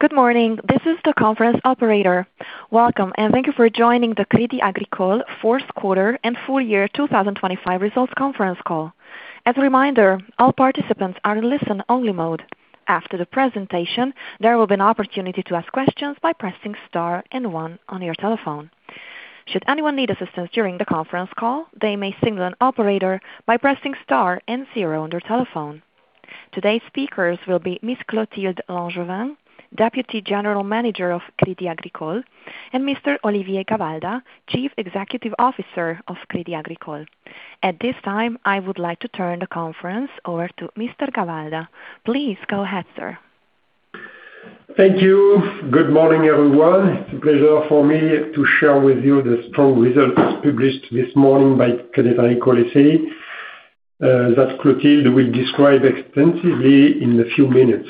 Good morning, this is the conference operator. Welcome, and thank you for joining the Crédit Agricole fourth quarter and full year 2025 results conference call. As a reminder, all participants are in listen-only mode. After the presentation, there will be an opportunity to ask questions by pressing star and one on your telephone. Should anyone need assistance during the conference call, they may signal an operator by pressing star and zero on their telephone. Today's speakers will be Ms. Clotilde L’Angevin, Deputy General Manager of Crédit Agricole, and Mr. Olivier Gavalda, Chief Executive Officer of Crédit Agricole. At this time, I would like to turn the conference over to Mr. Gavalda. Please go ahead, sir. Thank you. Good morning, everyone. It's a pleasure for me to share with you the strong results published this morning by Crédit Agricole S.A., that Clotilde will describe extensively in a few minutes.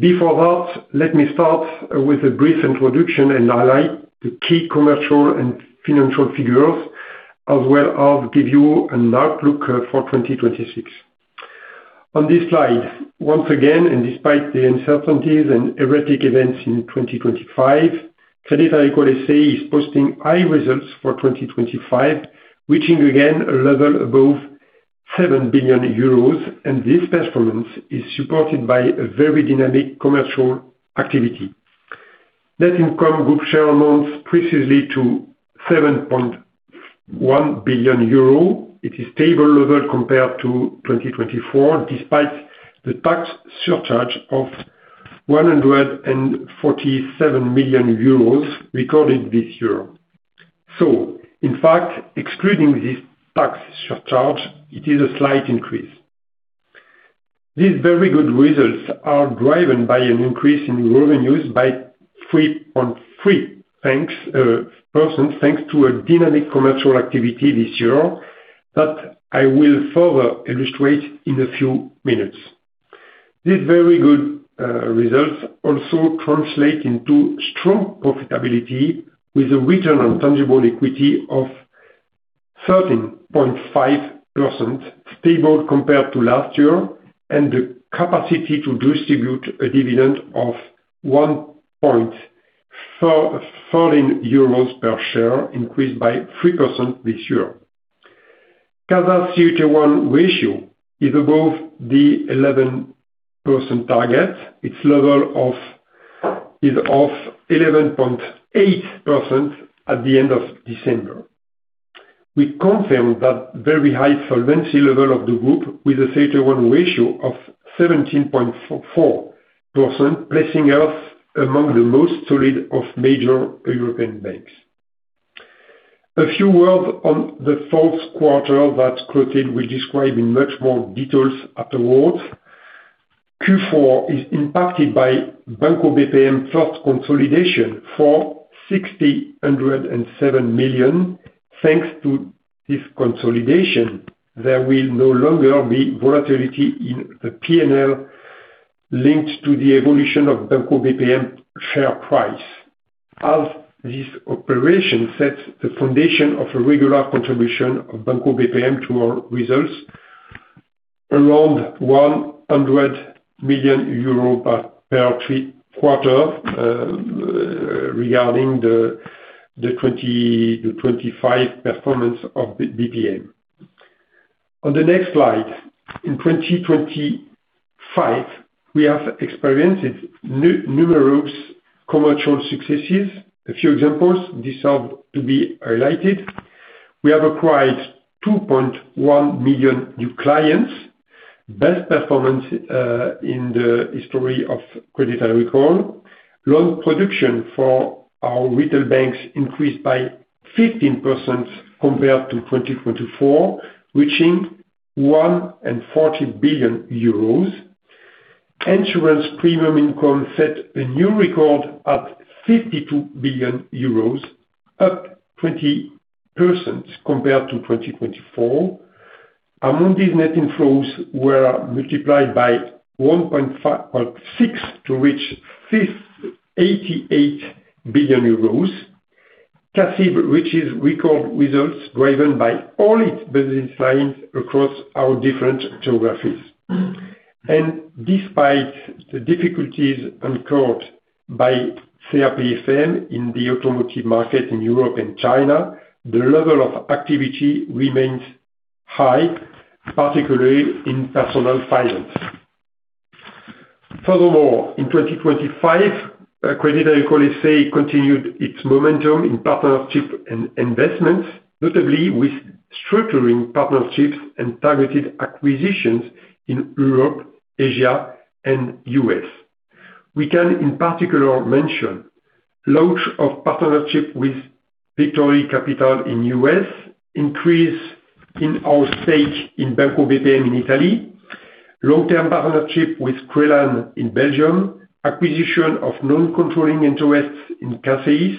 Before that, let me start with a brief introduction and highlight the key commercial and financial figures, as well as give you an outlook for 2026. On this slide, once again, and despite the uncertainties and erratic events in 2025, Crédit Agricole S.A. is posting high results for 2025, reaching again a level above 7 billion euros, and this performance is supported by a very dynamic commercial activity. Net income group share amounts precisely to 7.1 billion euro. It is stable level compared to 2024, despite the tax surcharge of 147 million euros recorded this year. So in fact, excluding this tax surcharge, it is a slight increase. These very good results are driven by an increase in revenues by 3.3%, thanks to a dynamic commercial activity this year, that I will further illustrate in a few minutes. These very good results also translate into strong profitability, with a return on tangible equity of 13.5%, stable compared to last year, and the capacity to distribute a dividend of 14 euros per share, increased by 3% this year. CASA CET1 ratio is above the 11% target. Its level is of 11.8% at the end of December. We confirm that very high solvency level of the group with a CET1 ratio of 17.4%, placing us among the most solid of major European banks. A few words on the fourth quarter that Clotilde will describe in much more details afterwards. Q4 is impacted by Banco BPM first consolidation for 607 million. Thanks to this consolidation, there will no longer be volatility in the P&L linked to the evolution of Banco BPM share price. As this operation sets the foundation of a regular contribution of Banco BPM to our results, around 100 million euro per quarter, regarding the 2025 performance of Banco BPM. On the next slide, in 2025, we have experienced numerous commercial successes. A few examples deserve to be highlighted. We have acquired 2.1 million new clients. Best performance in the history of Crédit Agricole. Loan production for our retail banks increased by 15% compared to 2024, reaching 140 billion euros. Insurance premium income set a new record at 52 billion euros, up 20% compared to 2024. Among these, net inflows were multiplied by 1.6 to reach EUR 58 billion. CACEIS reaches record results, driven by all its business lines across our different geographies. And despite the difficulties incurred by CA PFM in the automotive market in Europe and China, the level of activity remains high, particularly in personal finance. Furthermore, in 2025, Crédit Agricole S.A. continued its momentum in partnership and investments, notably with structuring partnerships and targeted acquisitions in Europe, Asia, and U.S. We can, in particular, mention launch of partnership with Victory Capital in U.S., increase in our stake in Banco BPM in Italy, long-term partnership with Crelan in Belgium, acquisition of non-controlling interests in CACEIS,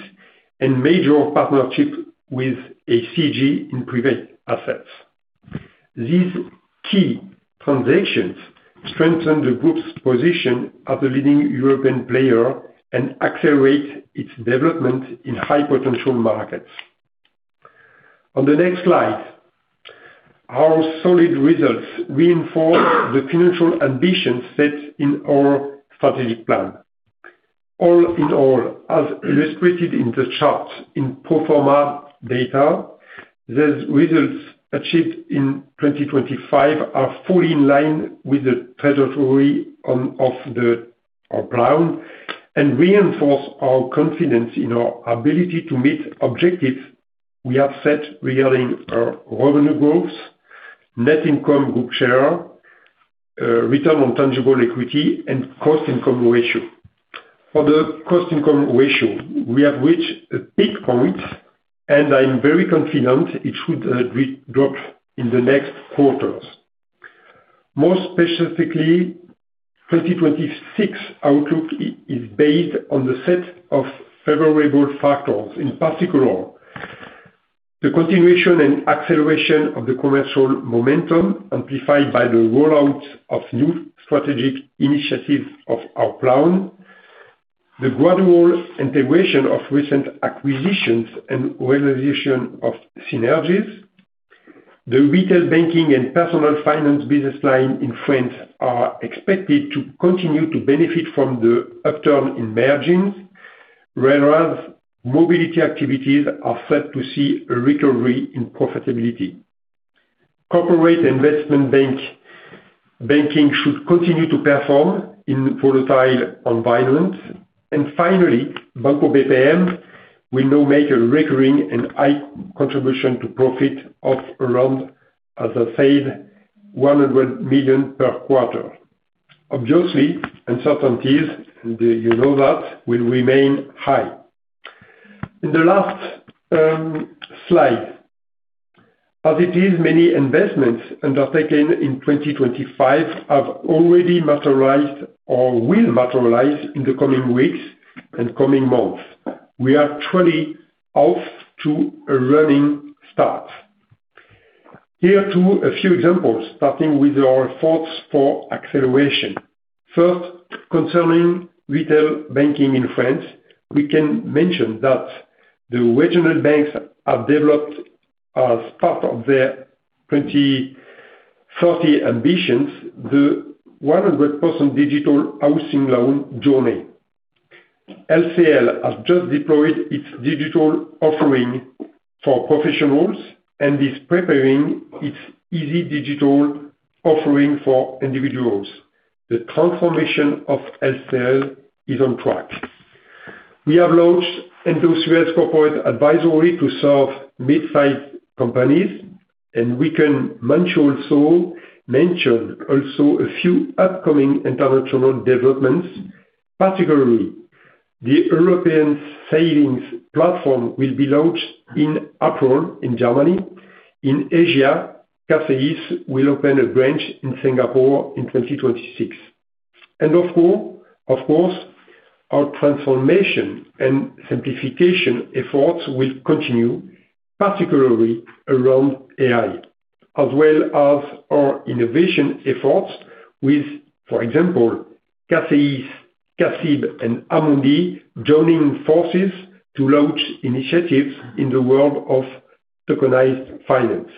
and major partnership with ICG in private assets. These key transactions strengthen the group's position as a leading European player, and accelerate its development in high-potential markets. On the next slide, our solid results reinforce the financial ambition set in our strategic plan. All in all, as illustrated in the chart, in pro forma data, those results achieved in 2025 are fully in line with the trajectory of our plan, and reinforce our confidence in our ability to meet objectives we have set regarding our revenue growths, net income group share, return on tangible equity, and cost income ratio. For the cost income ratio, we have reached a peak point, and I'm very confident it should drop in the next quarters. More specifically, 2026 outlook is based on the set of favorable factors. In particular, the continuation and acceleration of the commercial momentum, amplified by the rollout of new strategic initiatives of our plan, the gradual integration of recent acquisitions and realization of synergies. The retail banking and personal finance business line in France are expected to continue to benefit from the upturn in margins, whereas mobility activities are set to see a recovery in profitability. Corporate investment banking should continue to perform in the volatile environment. And finally, Banco BPM will now make a recurring and high contribution to profit of around, as I said, 100 million per quarter. Obviously, uncertainties, and you know that, will remain high. In the last slide, as it is, many investments undertaken in 2025 have already materialized or will materialize in the coming weeks and coming months. We are truly off to a running start. Here are a few examples, starting with our thoughts for acceleration. First, concerning retail banking in France, we can mention that the regional banks have developed, as part of their 2030 ambitions, the 100% digital housing loan journey. LCL has just deployed its digital offering for professionals and is preparing its easy digital offering for individuals. The transformation of LCL is on track. We have launched Indosuez Corporate Advisory to serve mid-size companies, and we can mention also a few upcoming international developments. Particularly, the European savings platform will be launched in April in Germany. In Asia, CACEIS will open a branch in Singapore in 2026. Of course, our transformation and simplification efforts will continue, particularly around AI, as well as our innovation efforts with, for example, CACEIS, CACIB, and Amundi joining forces to launch initiatives in the world of tokenized finance.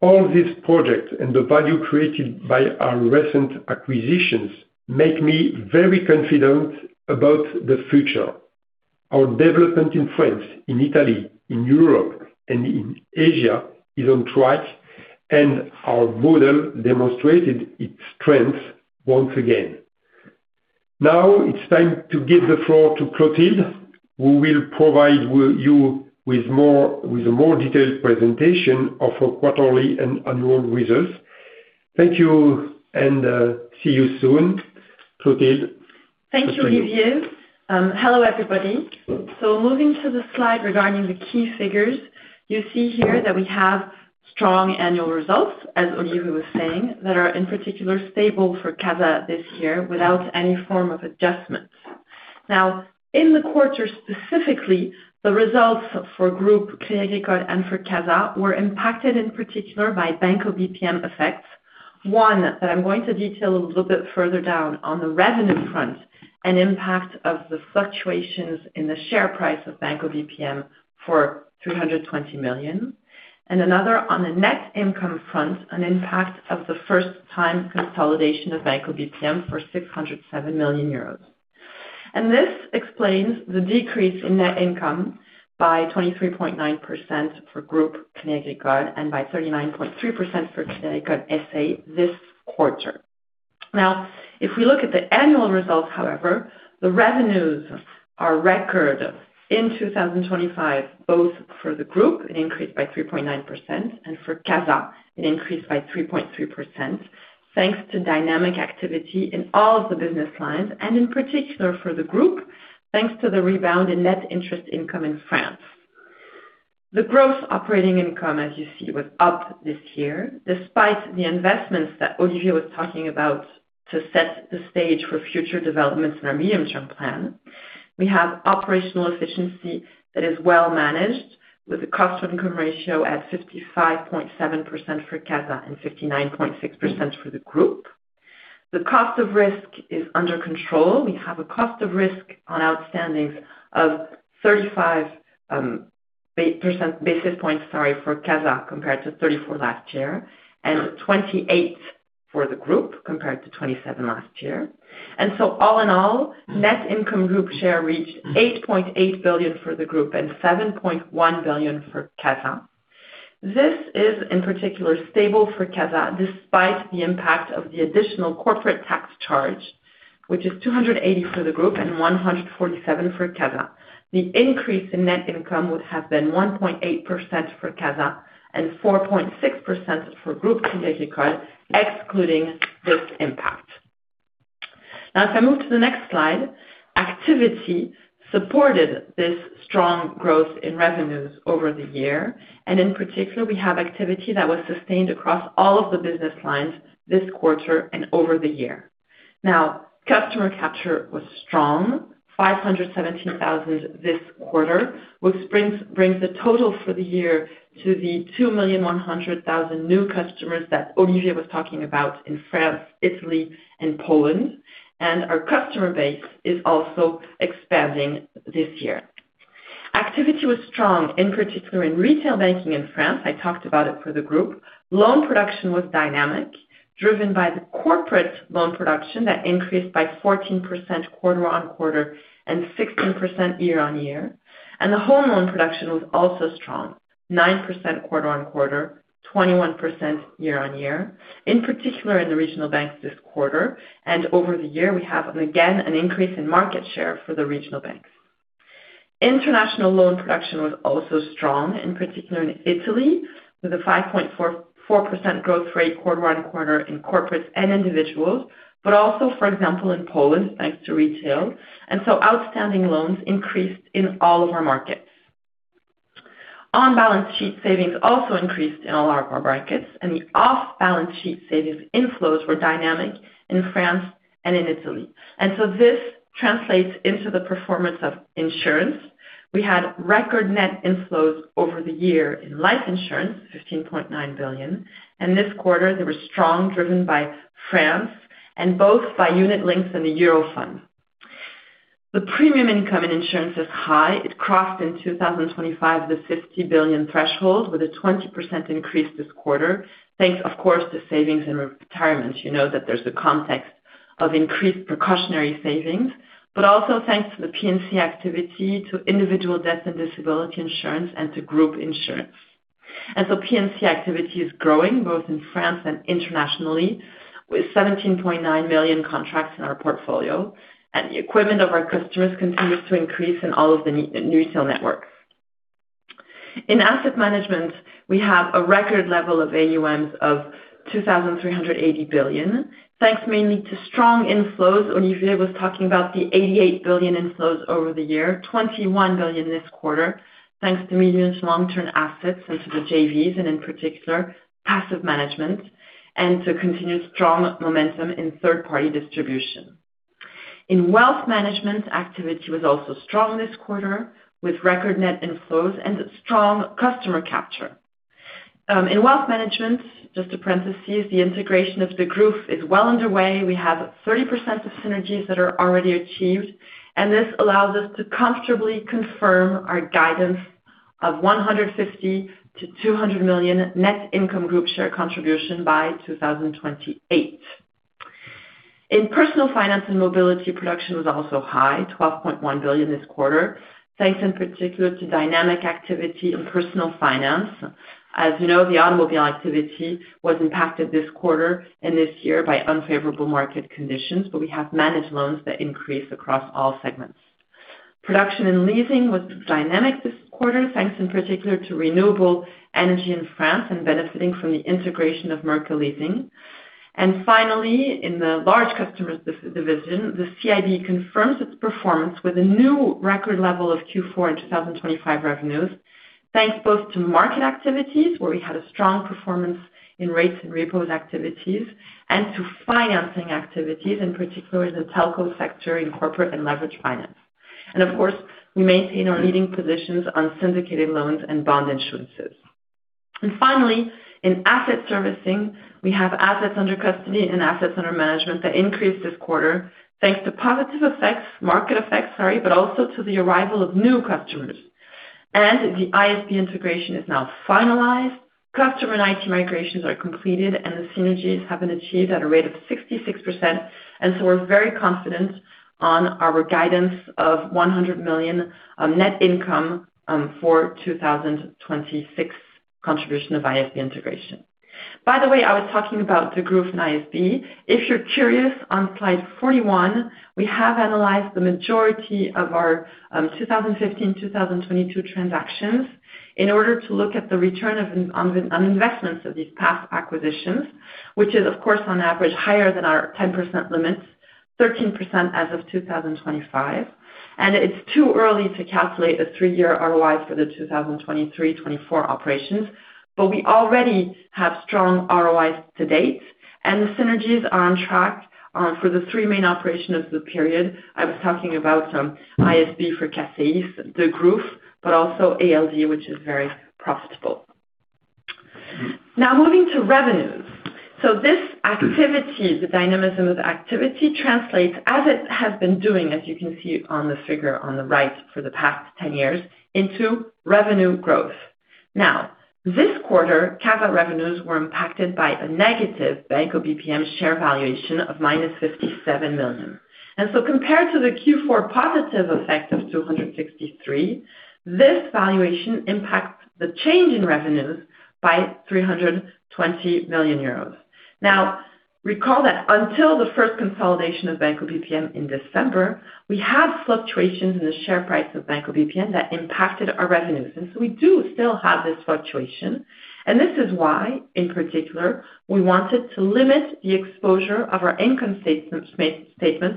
All these projects and the value created by our recent acquisitions make me very confident about the future. Our development in France, in Italy, in Europe, and in Asia is on track, and our model demonstrated its strength once again. Now it's time to give the floor to Clotilde, who will provide you with a more detailed presentation of our quarterly and annual results. Thank you, and see you soon. Clotilde? Thank you, Olivier. Hello, everybody. So moving to the slide regarding the key figures, you see here that we have strong annual results, as Olivier was saying, that are in particular stable for CACEIS this year without any form of adjustments. Now, in the quarter, specifically, the results for Group Crédit Agricole and for CACEIS were impacted in particular by Banco BPM effects. One, that I'm going to detail a little bit further down on the revenue front, an impact of the fluctuations in the share price of Banco BPM for 320 million. And another on the net income front, an impact of the first time consolidation of Banco BPM for 607 million euros. And this explains the decrease in net income by 23.9% for Group Crédit Agricole and by 39.3% for Crédit Agricole S.A. this quarter. Now, if we look at the annual results, however, the revenues are record in 2025, both for the group, it increased by 3.9%, and for CACEIS, it increased by 3.3%, thanks to dynamic activity in all the business lines, and in particular for the group, thanks to the rebound in net interest income in France. The growth operating income, as you see, was up this year. Despite the investments that Olivier was talking about, to set the stage for future developments in our medium-term plan, we have operational efficiency that is well managed, with a cost income ratio at 55.7% for CACEIS and 59.6% for the group. The cost of risk is under control. We have a cost of risk on outstandings of 35 basis points, sorry, for CA, compared to 34 last year, and 28 for the group, compared to 27 last year. So all in all, net income group share reached 8.8 billion for the group and 7.1 billion for CA. This is, in particular, stable for CA, despite the impact of the additional corporate tax charge, which is 280 million for the group and 147 million for CA. The increase in net income would have been 1.8% for CA and 4.6% for Crédit Agricole Group, excluding this impact. Now, if I move to the next slide, activity supported this strong growth in revenues over the year, and in particular, we have activity that was sustained across all of the business lines this quarter and over the year. Now, customer capture was strong, 517,000 this quarter, which brings, brings the total for the year to the 2,100,000 new customers that Olivier was talking about in France, Italy, and Poland, and our customer base is also expanding this year. Activity was strong, in particular in retail banking in France. I talked about it for the group. Loan production was dynamic, driven by the corporate loan production that increased by 14% quarter-on-quarter and 16% year-on-year. And the home loan production was also strong, 9% quarter-on-quarter, 21% year-on-year, in particular in the regional banks this quarter. And over the year, we have, again, an increase in market share for the regional banks. International loan production was also strong, in particular in Italy, with a 5.44% growth rate quarter-on-quarter in corporate and individuals, but also, for example, in Poland, thanks to retail. And so outstanding loans increased in all of our markets. On-balance sheet savings also increased in all our markets, and the off-balance sheet savings inflows were dynamic in France and in Italy. And so this translates into the performance of insurance. We had record net inflows over the year in life insurance, 15.9 billion, and this quarter they were strong, driven by France and both by unit-linked in the Eurofund. The premium income in insurance is high. It crossed in 2025, the 50 billion threshold with a 20% increase this quarter. Thanks, of course, to savings and retirements. You know that there's a context of increased precautionary savings, but also thanks to the P&C activity, to individual death and disability insurance, and to group insurance. And so P&C activity is growing both in France and internationally, with 17.9 million contracts in our portfolio, and the equipment of our customers continues to increase in all of the new retail networks. In asset management, we have a record level of AUMs of 2,380 billion, thanks mainly to strong inflows. Olivier was talking about the 88 billion inflows over the year, 21 billion this quarter, thanks to medium to long-term assets into the JVs, and in particular, passive management, and to continued strong momentum in third-party distribution. In wealth management, activity was also strong this quarter, with record net inflows and strong customer capture. In wealth management, just a parenthesis, the integration of the group is well underway. We have 30% of synergies that are already achieved, and this allows us to comfortably confirm our guidance of 150-200 million Net Income Group Share contribution by 2028. In personal finance and mobility, production was also high, 12.1 billion this quarter, thanks in particular to dynamic activity in personal finance. As you know, the automobile activity was impacted this quarter and this year by unfavorable market conditions, but we have managed loans that increase across all segments. Production and leasing was dynamic this quarter, thanks in particular to renewable energy in France and benefiting from the integration of MercaLeasing. And finally, in the large customers division, the CIB confirms its performance with a new record level of Q4 in 2025 revenues, thanks both to market activities, where we had a strong performance in rates and repos activities, and to financing activities, in particular the telco sector in corporate and leveraged finance. And of course, we maintain our leading positions on syndicated loans and bond issuances. Finally, in asset servicing, we have assets under custody and assets under management that increased this quarter, thanks to positive effects, market effects, sorry, but also to the arrival of new customers. The ISB integration is now finalized. Customer and IT migrations are completed, and the synergies have been achieved at a rate of 66%, and so we're very confident on our guidance of 100 million net income for 2026 contribution of ISB integration. By the way, I was talking about the growth in ISB. If you're curious, on slide 41, we have analyzed the majority of our 2015 to 2022 transactions in order to look at the return on investments of these past acquisitions, which is, of course, on average, higher than our 10% limits, 13% as of 2025. It's too early to calculate a three-year ROI for the 2023, 2024 operations. We already have strong ROIs to date, and the synergies are on track for the three main operations of the period. I was talking about ISB for CACEIS, the group, but also ALD, which is very profitable. Now moving to revenues. So this activity, the dynamism of activity, translates as it has been doing, as you can see on the figure on the right, for the past 10 years, into revenue growth. Now, this quarter, CA revenues were impacted by a negative Banco BPM share valuation of -57 million. And so compared to the Q4 positive effect of 263 million, this valuation impacts the change in revenues by 320 million euros. Now, recall that until the first consolidation of Banco BPM in December, we had fluctuations in the share price of Banco BPM that impacted our revenues, and so we do still have this fluctuation. And this is why, in particular, we wanted to limit the exposure of our income statement,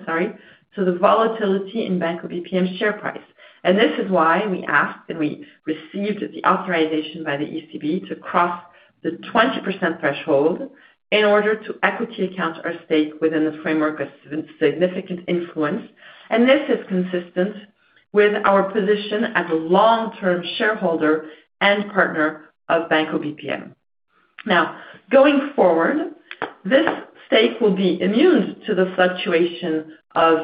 sorry, to the volatility in Banco BPM's share price. This is why we asked, and we received the authorization by the ECB to cross the 20% threshold in order to equity account our stake within the framework of significant influence. This is consistent with our position as a long-term shareholder and partner of Banco BPM. Now, going forward, this stake will be immune to the fluctuation of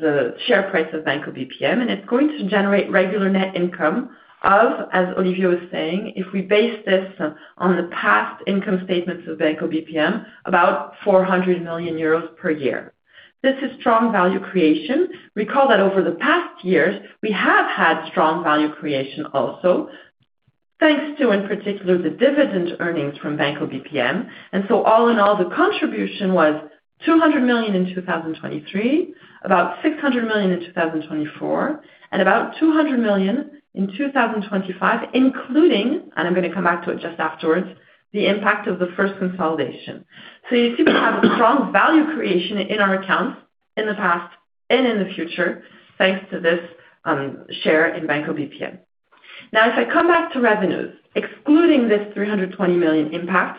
the share price of Banco BPM, and it's going to generate regular net income of, as Olivier was saying, if we base this on the past income statements of Banco BPM, about 400 million euros per year. This is strong value creation. Recall that over the past years, we have had strong value creation also, thanks to, in particular, the dividend earnings from Banco BPM. All in all, the contribution was 200 million in 2023, about 600 million in 2024, and about 200 million in 2025, including, and I'm going to come back to it just afterwards, the impact of the first consolidation. So you see, we have a strong value creation in our accounts in the past and in the future, thanks to this share in Banco BPM. Now, if I come back to revenues, excluding this 320 million impact,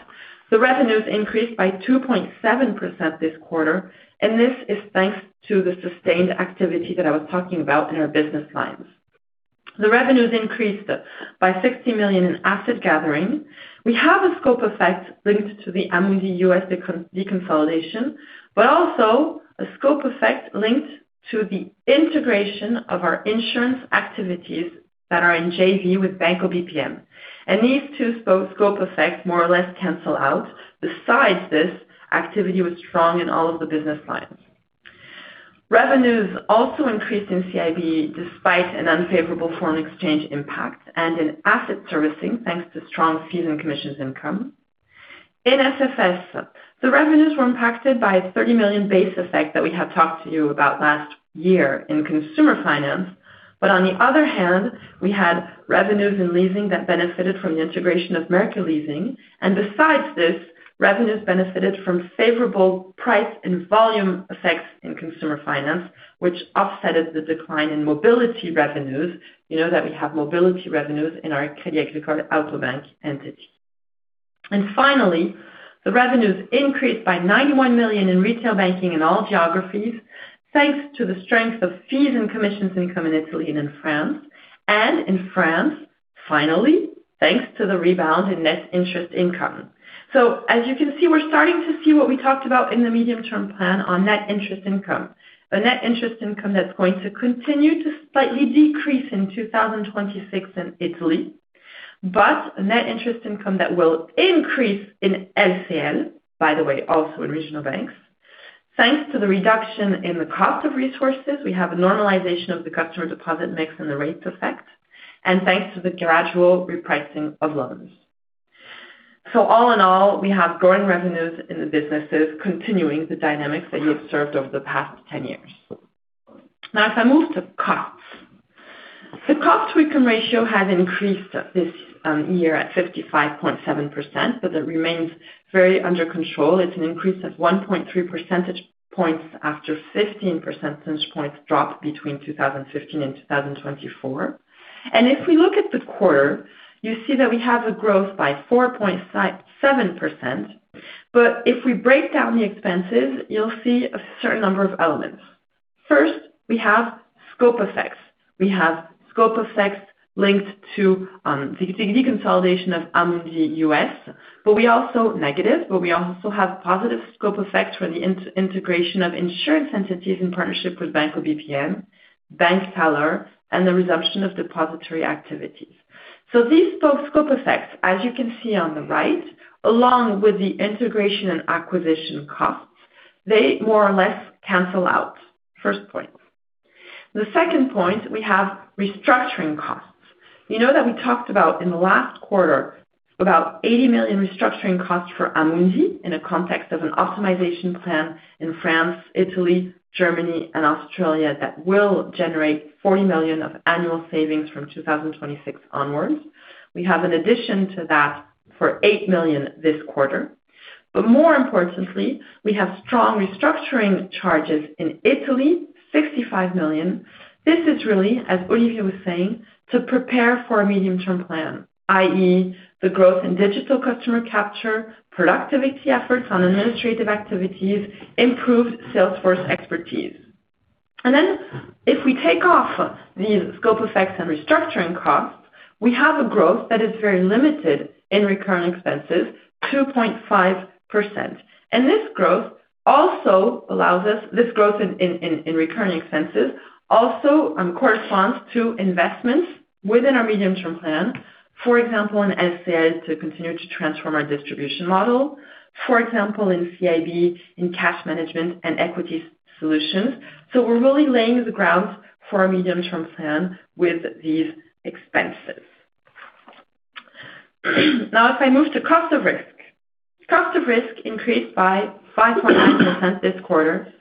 the revenues increased by 2.7% this quarter, and this is thanks to the sustained activity that I was talking about in our business lines. The revenues increased by 60 million in asset gathering. We have a scope effect linked to the Amundi US deconsolidation, but also a scope effect linked to the integration of our insurance activities that are in JV with Banco BPM. And these two scope effects more or less cancel out. Besides this, activity was strong in all of the business lines. Revenues also increased in CIB, despite an unfavorable foreign exchange impact and in asset servicing, thanks to strong fees and commissions income. In SFS, the revenues were impacted by a 30 million base effect that we had talked to you about last year in consumer finance. But on the other hand, we had revenues in leasing that benefited from the integration of MercaLeasing. And besides this, revenues benefited from favorable price and volume effects in consumer finance, which offset the decline in mobility revenues. You know that we have mobility revenues in our Crédit Agricole Auto Bank entity. Finally, the revenues increased by 91 million in retail banking in all geographies, thanks to the strength of fees and commissions income in Italy and in France. And in France, finally, thanks to the rebound in net interest income. So as you can see, we're starting to see what we talked about in the medium-term plan on net interest income. A net interest income that's going to continue to slightly decrease in 2026 in Italy, but a net interest income that will increase in LCL, by the way, also in regional banks. Thanks to the reduction in the cost of resources, we have a normalization of the customer deposit mix and the rate effect, and thanks to the gradual repricing of loans. So all in all, we have growing revenues in the businesses, continuing the dynamics that you observed over the past 10 years. Now, if I move to costs. The cost to income ratio has increased this year at 55.7%, but it remains very under control. It's an increase of 1.3 percentage points after 15 percentage points dropped between 2015 and 2024. And if we look at the quarter, you see that we have a growth by 4.7%, but if we break down the expenses, you'll see a certain number of elements. First, we have scope effects. We have scope effects linked to the deconsolidation of Amundi US, but we also, negative, but we also have positive scope effects for the integration of insurance entities in partnership with Banco BPM, Bank Teller, and the resumption of depository activities. So these scope effects, as you can see on the right, along with the integration and acquisition costs, they more or less cancel out. First point. The second point, we have restructuring costs. You know that we talked about in the last quarter, about 80 million restructuring costs for Amundi in the context of an optimization plan in France, Italy, Germany, and Australia that will generate 40 million of annual savings from 2026 onwards. We have an addition to that for 8 million this quarter. But more importantly, we have strong restructuring charges in Italy, 65 million. This is really, as Olivier was saying, to prepare for a medium-term plan, i.e., the growth in digital customer capture, productivity efforts on administrative activities, improved salesforce expertise. Then if we take off the scope effects and restructuring costs, we have a growth that is very limited in recurring expenses, 2.5%. This growth also allows us this growth in recurring expenses also corresponds to investments within our medium-term plan. For example, in LCL, to continue to transform our distribution model, for example, in CIB, in cash management and equity solutions. We're really laying the ground for our medium-term plan with these expenses. Now, if I move to cost of risk. Cost of risk increased by 5.9% this quarter,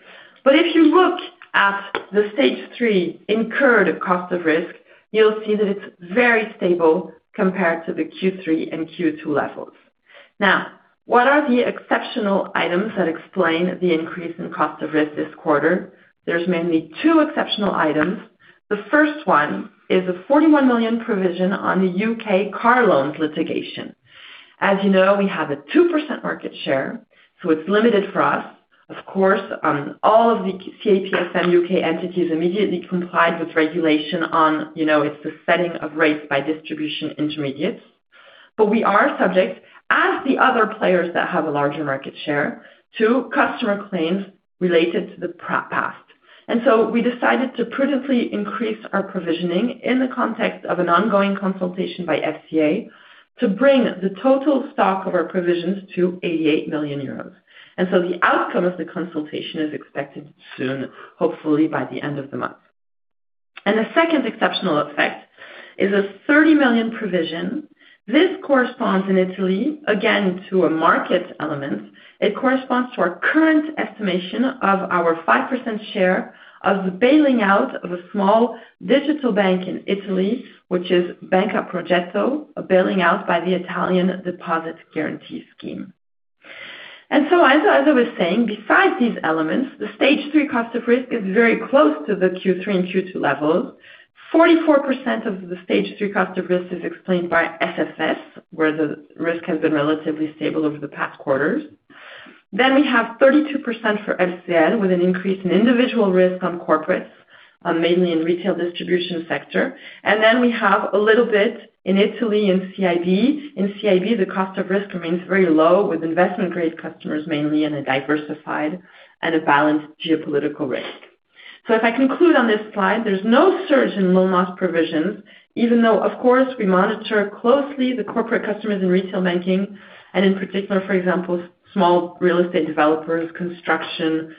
but if you look at the stage three incurred cost of risk, you'll see that it's very stable compared to the Q3 and Q2 levels. Now, what are the exceptional items that explain the increase in cost of risk this quarter? There's mainly two exceptional items. The first one is a 41 million provision on the UK car loans litigation. As you know, we have a 2% market share, so it's limited for us. Of course, all of the CA PFM UK entities immediately complied with regulation on, you know, it's the setting of rates by distribution intermediaries. But we are subject, as the other players that have a larger market share, to customer claims related to the past. We decided to prudently increase our provisioning in the context of an ongoing consultation by FCA, to bring the total stock of our provisions to 88 million euros. The outcome of the consultation is expected soon, hopefully by the end of the month. The second exceptional effect is a 30 million provision. This corresponds in Italy, again, to a market element. It corresponds to our current estimation of our 5% share of the bailing out of a small digital bank in Italy, which is Banca Progetto, a bailing out by the Italian Deposit Guarantee Scheme. As I was saying, besides these elements, the stage three cost of risk is very close to the Q3 and Q2 levels. 44% of the stage three cost of risk is explained by SFS, where the risk has been relatively stable over the past quarters. Then we have 32% for LCL, with an increase in individual risk on corporates, mainly in retail distribution sector. Then we have a little bit in Italy, in CIB. In CIB, the cost of risk remains very low, with investment-grade customers mainly, and a diversified and a balanced geopolitical risk. So if I conclude on this slide, there's no surge in loan loss provisions, even though, of course, we monitor closely the corporate customers in retail banking, and in particular, for example, small real estate developers, construction,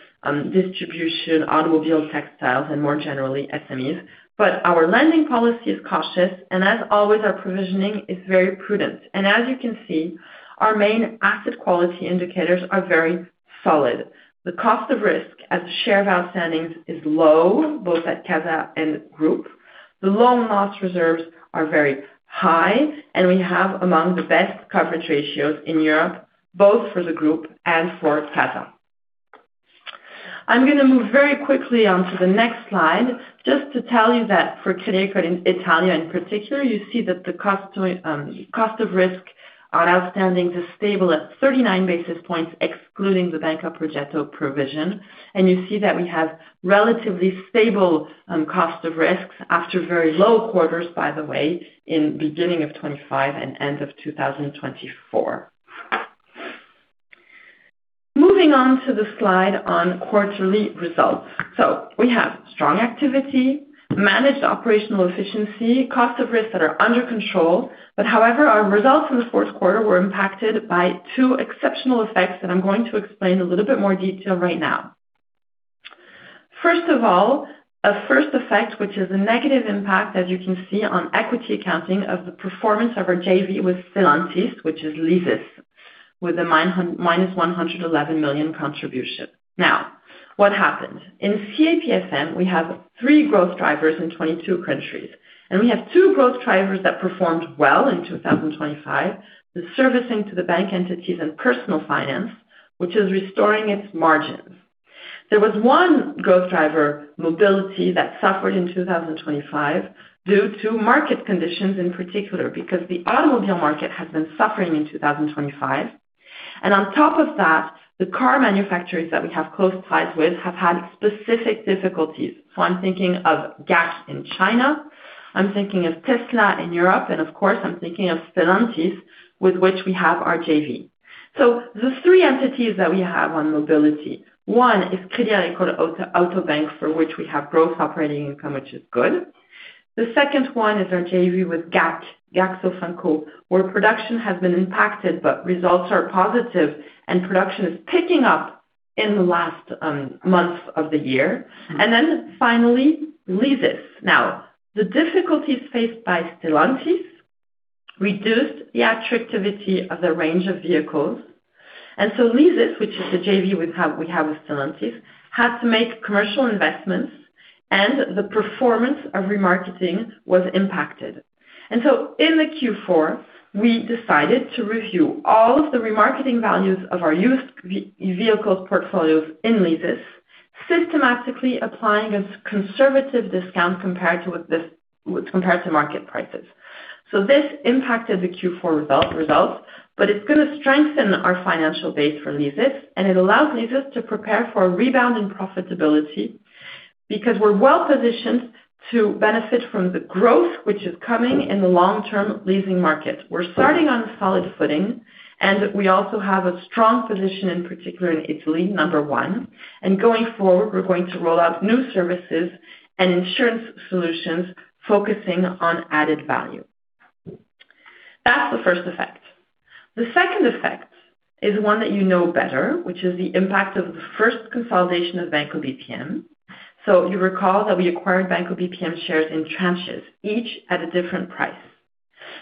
distribution, automobile, textiles, and more generally SMEs. Our lending policy is cautious, and as always, our provisioning is very prudent. As you can see, our main asset quality indicators are very solid. The cost of risk as a share of outstandings is low, both at CASA and Group. The loan loss reserves are very high, and we have among the best coverage ratios in Europe, both for the group and for CASA. I'm going to move very quickly on to the next slide, just to tell you that for Crédit Agricole Italia in particular, you see that the cost of risk on outstandings is stable at 39 basis points, excluding the Banca Progetto provision. And you see that we have relatively stable cost of risks after very low quarters, by the way, in beginning of 2025 and end of 2024. Moving on to the slide on quarterly results. So we have strong activity, managed operational efficiency, cost of risks that are under control. However, our results in the fourth quarter were impacted by two exceptional effects that I'm going to explain in a little bit more detail right now. First of all, a first effect, which is a negative impact, as you can see, on equity accounting of the performance of our JV with Stellantis, which is Leasys, with a minus 111 million contribution. Now, what happened? In CA PFM, we have three growth drivers in 22 countries, and we have two growth drivers that performed well in 2025: the servicing to the bank entities and personal finance, which is restoring its margins. There was one growth driver, mobility, that suffered in 2025 due to market conditions, in particular because the automobile market has been suffering in 2025. On top of that, the car manufacturers that we have close ties with have had specific difficulties. So I'm thinking of GAC in China, I'm thinking of Tesla in Europe, and of course, I'm thinking of Stellantis, with which we have our JV. So the three entities that we have on mobility, one is Crédit Agricole Auto Bank, for which we have growth operating income, which is good. The second one is our JV with GAC, GAC-Sofinco, where production has been impacted, but results are positive, and production is picking up in the last months of the year. And then finally, Leasys. Now, the difficulties faced by Stellantis reduced the attractivity of the range of vehicles. And so Leasys, which is the JV we have, we have with Stellantis, had to make commercial investments, and the performance of remarketing was impacted. In the Q4, we decided to review all of the remarketing values of our used vehicle portfolios in Leasys, systematically applying a conservative discount compared to market prices. So this impacted the Q4 results, but it's going to strengthen our financial base for Leasys, and it allows Leasys to prepare for a rebound in profitability, because we're well-positioned to benefit from the growth which is coming in the long-term leasing market. We're starting on solid footing, and we also have a strong position, in particular in Italy, number one. And going forward, we're going to roll out new services and insurance solutions focusing on added value. That's the first effect. The second effect is one that you know better, which is the impact of the first consolidation of Banco BPM. So you recall that we acquired Banco BPM shares in tranches, each at a different price.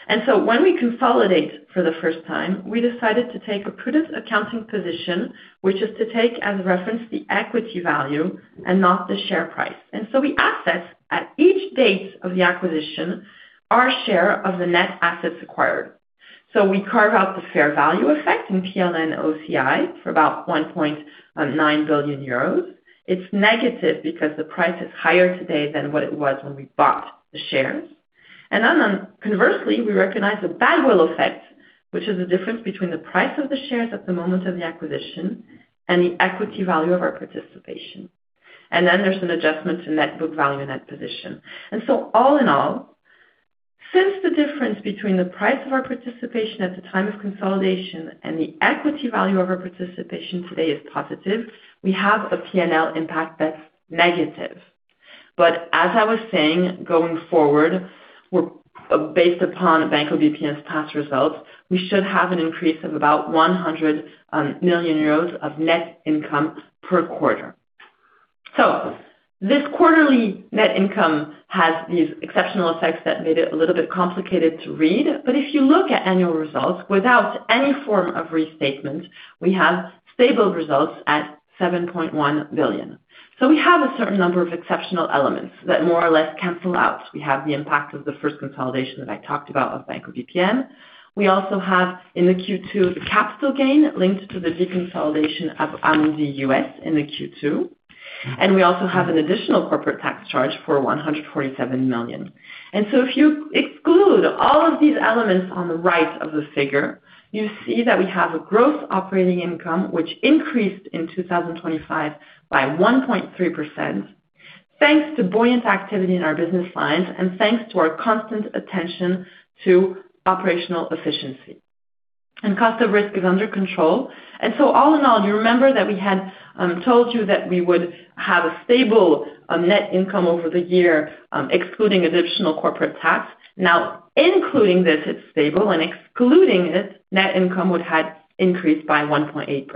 And so when we consolidate for the first time, we decided to take a prudent accounting position, which is to take as reference, the equity value and not the share price. And so we assess at each date of the acquisition, our share of the net assets acquired. So we carve out the fair value effect in PNL OCI for about 1.9 billion euros. It's negative because the price is higher today than what it was when we bought the shares. And then, conversely, we recognize the goodwill effect, which is the difference between the price of the shares at the moment of the acquisition and the equity value of our participation. And then there's an adjustment to net book value in that position. And so all in all, since the difference between the price of our participation at the time of consolidation and the equity value of our participation today is positive, we have a PNL impact that's negative. But as I was saying, going forward, we're based upon Banco BPM's past results, we should have an increase of about 100 million euros of net income per quarter. So this quarterly net income has these exceptional effects that made it a little bit complicated to read. But if you look at annual results, without any form of restatement, we have stable results at 7.1 billion. So we have a certain number of exceptional elements that more or less cancel out. We have the impact of the first consolidation that I talked about of Banco BPM. We also have, in the Q2, the capital gain linked to the deconsolidation of Amundi US in the Q2, and we also have an additional corporate tax charge for 147 million. So if you exclude all of these elements on the right of the figure, you see that we have a growth operating income, which increased in 2025 by 1.3%, thanks to buoyant activity in our business lines and thanks to our constant attention to operational efficiency. Cost of risk is under control. So all in all, you remember that we had told you that we would have a stable net income over the year, excluding additional corporate tax. Now, including this, it's stable, and excluding it, net income would had increased by 1.8%.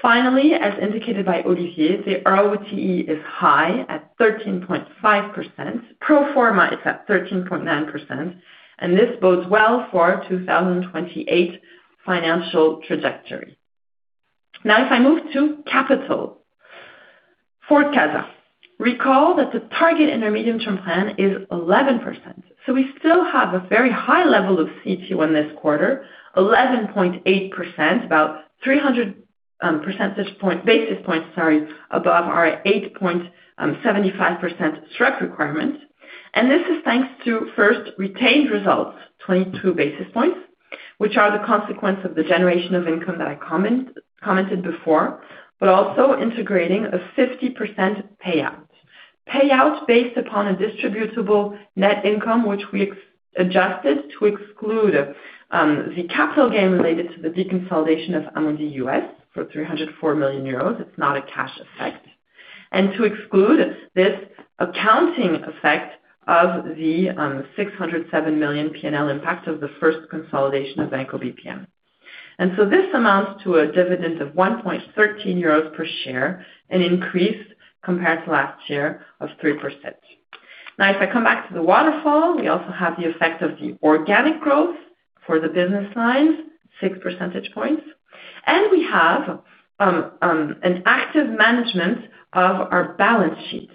Finally, as indicated by Olivier, the ROTE is high at 13.5%. Pro forma, it's at 13.9%, and this bodes well for our 2028 financial trajectory. Now, if I move to capital. For CASA, recall that the target in our medium-term plan is 11%. So we still have a very high level of CET1 this quarter, 11.8%, about 300 basis points, sorry, above our 8.75% SREP requirement. And this is thanks to, first, retained results, 22 basis points, which are the consequence of the generation of income that I commented before, but also integrating a 50% payout. Payout based upon a distributable net income, which we adjusted to exclude the capital gain related to the deconsolidation of Amundi US for 304 million euros, it's not a cash effect, and to exclude this accounting effect of the six hundred and seven million PNL impact of the first consolidation of Banco BPM. And so this amounts to a dividend of 1.13 euros per share, an increase compared to last year of 3%. Now, if I come back to the waterfall, we also have the effect of the organic growth for the business lines, six percentage points, and we have an active management of our balance sheet.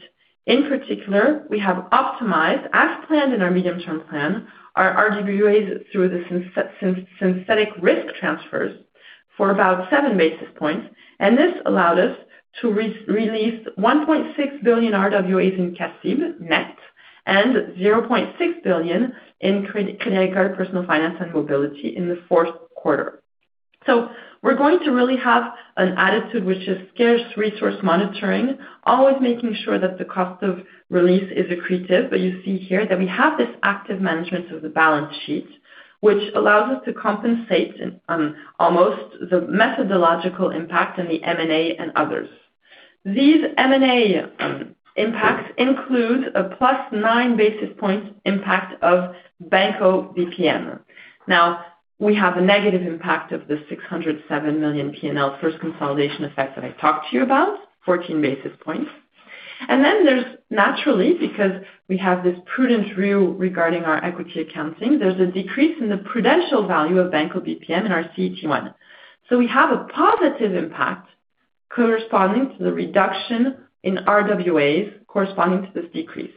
In particular, we have optimized, as planned in our medium-term plan, our RWAs through the synthetic risk transfers for about 7 basis points, and this allowed us to re-release 1.6 billion RWAs in CACIB, net, and 0.6 billion in Crédit Agricole Personal Finance and Mobility in the fourth quarter. So we're going to really have an attitude which is scarce resource monitoring, always making sure that the cost of release is accretive. But you see here that we have this active management of the balance sheet, which allows us to compensate, almost the methodological impact in the M&A and others. These M&A, impacts include a +9 basis point impact of Banco BPM. Now, we have a negative impact of the 607 million PNL first consolidation effect that I talked to you about, 14 basis points. Then there's naturally, because we have this prudent view regarding our equity accounting, there's a decrease in the prudential value of Banco BPM in our CET1. So we have a positive impact corresponding to the reduction in RWAs corresponding to this decrease.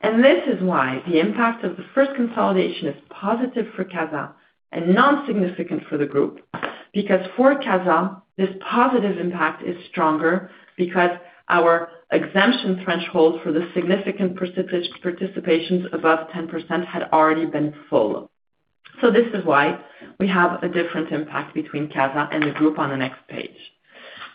And this is why the impact of the first consolidation is positive for CASA and non-significant for the group because for CASA, this positive impact is stronger because our exemption threshold for the significant participations above 10% had already been full. So this is why we have a different impact between CASA and the group on the next page.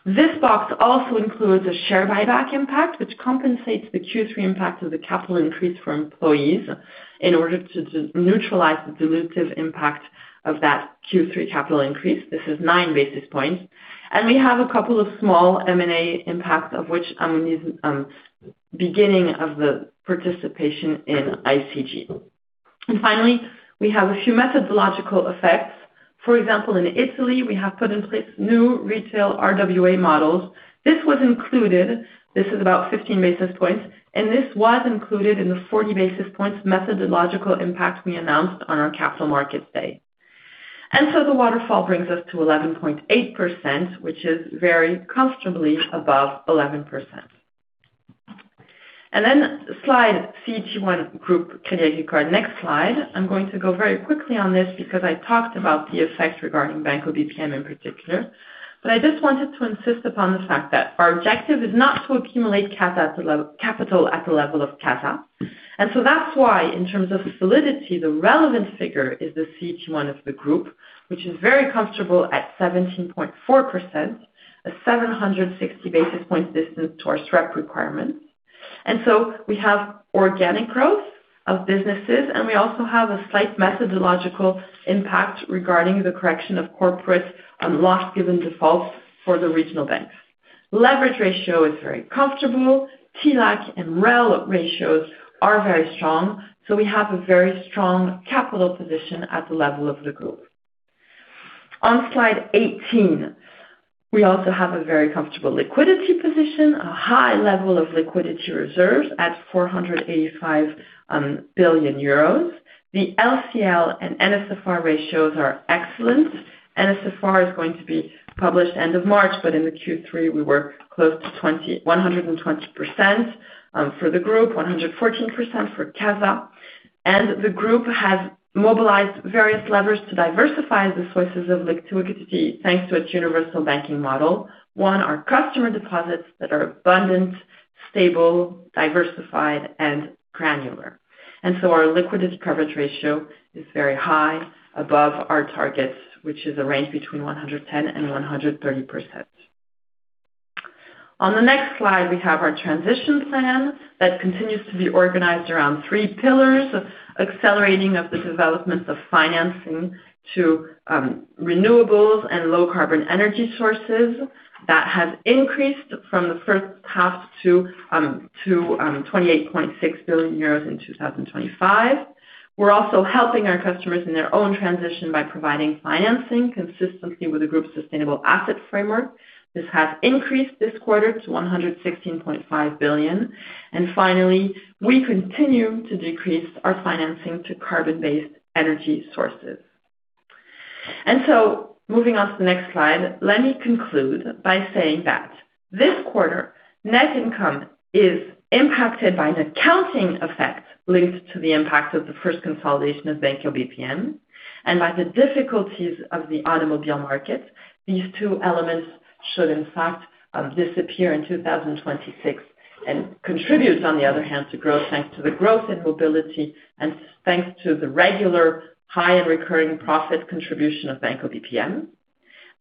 This box also includes a share buyback impact, which compensates the Q3 impact of the capital increase for employees in order to neutralize the dilutive impact of that Q3 capital increase. This is 9 basis points, and we have a couple of small M&A impacts, of which is the beginning of the participation in ICG. And finally, we have a few methodological effects. For example, in Italy, we have put in place new retail RWA models. This was included. This is about 15 basis points, and this was included in the 40 basis points methodological impact we announced on our capital markets day. So the waterfall brings us to 11.8%, which is very comfortably above 11%. And then slide CET1 group, Crédit Agricole. Next slide. I'm going to go very quickly on this because I talked about the effects regarding Banco BPM in particular, but I just wanted to insist upon the fact that our objective is not to accumulate CASA at the level, capital at the level of CA SA. That's why, in terms of solidity, the relevant figure is the CET1 of the group, which is very comfortable at 17.4%, a 760 basis point distance to our SREP requirement. We have organic growth of businesses, and we also have a slight methodological impact regarding the correction of corporate loss given defaults for the regional banks. Leverage ratio is very comfortable. TLAC and MREL ratios are very strong, so we have a very strong capital position at the level of the group. On slide 18, we also have a very comfortable liquidity position, a high level of liquidity reserves at 485 billion euros. The LCR and NSFR ratios are excellent. NSFR is going to be published end of March, but in the Q3, we were close to 120%, for the group, 114% for CACIB. And the group has mobilized various levers to diversify the sources of liquidity, thanks to its universal banking model. One, our customer deposits that are abundant, stable, diversified, and granular. And so our liquidity coverage ratio is very high, above our targets, which is a range between 110% and 130%. On the next slide, we have our transition plan that continues to be organized around three pillars, accelerating of the development of financing to renewables and low-carbon energy sources. That has increased from the first half to 28.6 billion euros in 2025. We're also helping our customers in their own transition by providing financing consistently with the group's sustainable asset framework. This has increased this quarter to 116.5 billion. And finally, we continue to decrease our financing to carbon-based energy sources. And so moving on to the next slide, let me conclude by saying that this quarter, net income is impacted by an accounting effect linked to the impact of the first consolidation of Banco BPM and by the difficulties of the automobile market. These two elements should, in fact, disappear in 2026, and contributes, on the other hand, to growth, thanks to the growth in mobility and thanks to the regular high and recurring profit contribution of Banco BPM.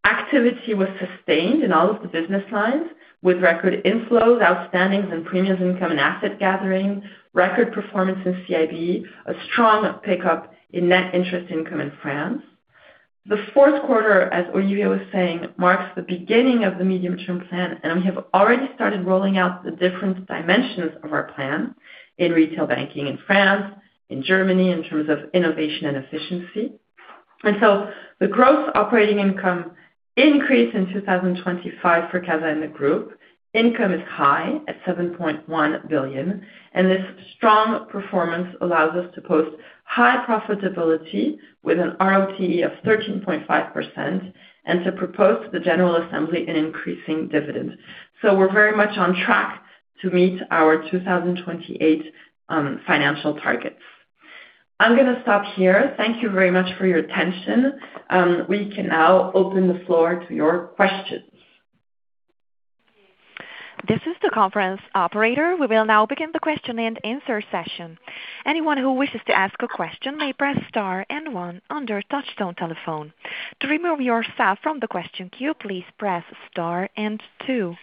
Activity was sustained in all of the business lines, with record inflows, outstandings, and premiums income and asset gathering, record performance in CIB, a strong pickup in net interest income in France. The fourth quarter, as Olivier was saying, marks the beginning of the medium-term plan, and we have already started rolling out the different dimensions of our plan in retail banking in France, in Germany, in terms of innovation and efficiency. And so the growth operating income increased in 2025 for CACEIS and the group. Income is high at 7.1 billion, and this strong performance allows us to post high profitability with a ROTE of 13.5%, and to propose to the general assembly an increasing dividend. So we're very much on track to meet our 2028 financial targets. I'm going to stop here. Thank you very much for your attention. We can now open the floor to your questions. This is the conference operator. We will now begin the question-and-answer session. Anyone who wishes to ask a question may press star and one on your touchtone telephone. To remove yourself from the question queue, please press star and two.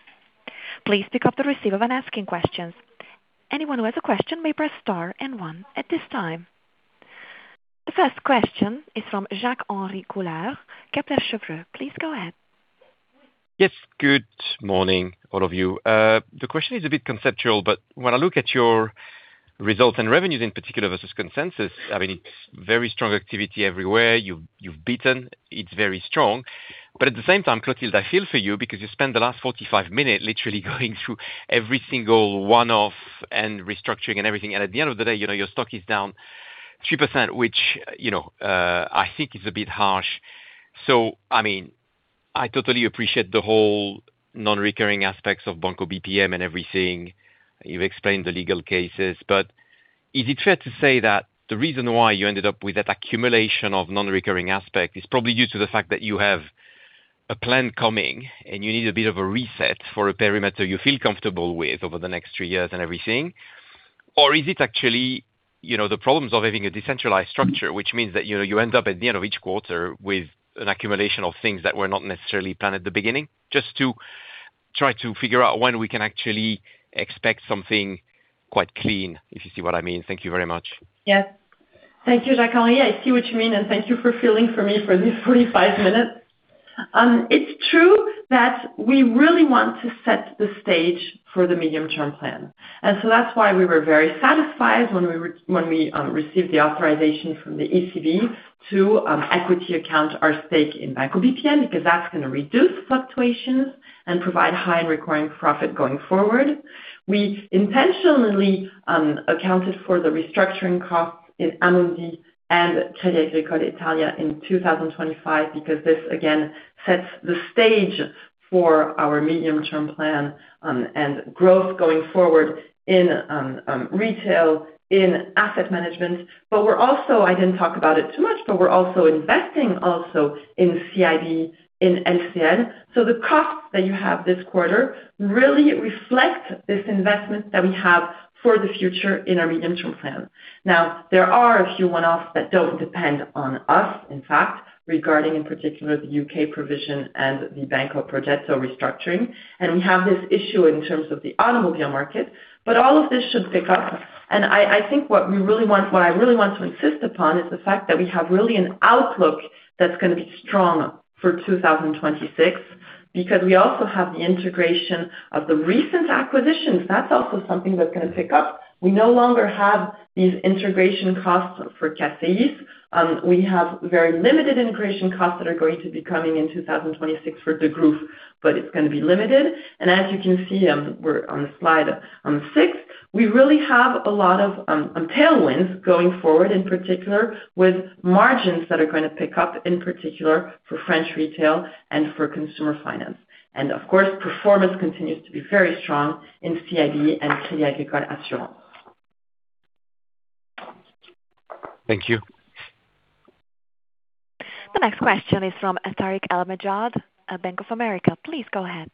Please pick up the receiver when asking questions. Anyone who has a question may press star and one at this time. The first question is from Jacques-Henri Gaulard, Kepler Cheuvreux. Please go ahead. Yes, good morning, all of you. The question is a bit conceptual, but when I look at your results and revenues in particular versus consensus, I mean, very strong activity everywhere. You've beaten. It's very strong, but at the same time, Clotilde, I feel for you because you spent the last 45 minutes literally going through every single one-off and restructuring and everything, and at the end of the day, you know, your stock is down 3%, which, you know, I think is a bit harsh. So, I mean, I totally appreciate the whole non-recurring aspects of Banco BPM and everything. You've explained the legal cases, but is it fair to say that the reason why you ended up with that accumulation of non-recurring aspect is probably due to the fact that you have a plan coming, and you need a bit of a reset for a perimeter you feel comfortable with over the next three years and everything? Or is it actually, you know, the problems of having a decentralized structure, which means that, you know, you end up at the end of each quarter with an accumulation of things that were not necessarily planned at the beginning? Just to try to figure out when we can actually expect something quite clean, if you see what I mean. Thank you very much. Yes. Thank you, Jacques-Henri. I see what you mean, and thank you for filling for me for this 45 minutes. It's true that we really want to set the stage for the medium-term plan, and so that's why we were very satisfied when we received the authorization from the ECB to equity account our stake in Banco BPM, because that's going to reduce fluctuations and provide high recurring profit going forward. We intentionally accounted for the restructuring costs in Amundi and Crédit Agricole Italia in 2025, because this again sets the stage for our medium-term plan, and growth going forward in retail, in asset management. But we're also, I didn't talk about it too much, but we're also investing also in CIB, in LCL. So the costs that you have this quarter really reflect this investment that we have for the future in our medium-term plan. Now, there are a few one-offs that don't depend on us, in fact, regarding, in particular, the UK provision and the Banca Progetto restructuring. And we have this issue in terms of the automobile market, but all of this should pick up. And I, I think what we really want—what I really want to insist upon, is the fact that we have really an outlook that's going to be strong for 2026, because we also have the integration of the recent acquisitions. That's also something that's going to pick up. We no longer have these integration costs for CACEIS. We have very limited integration costs that are going to be coming in 2026 for Degroof, but it's going to be limited. And as you can see, we're on the slide, on the sixth, we really have a lot of tailwinds going forward, in particular with margins that are going to pick up, in particular for French retail and for consumer finance. And of course, performance continues to be very strong in CIB and Crédit Agricole Assurance. Thank you. The next question is from Tarik El Mejjad, at Bank of America. Please go ahead.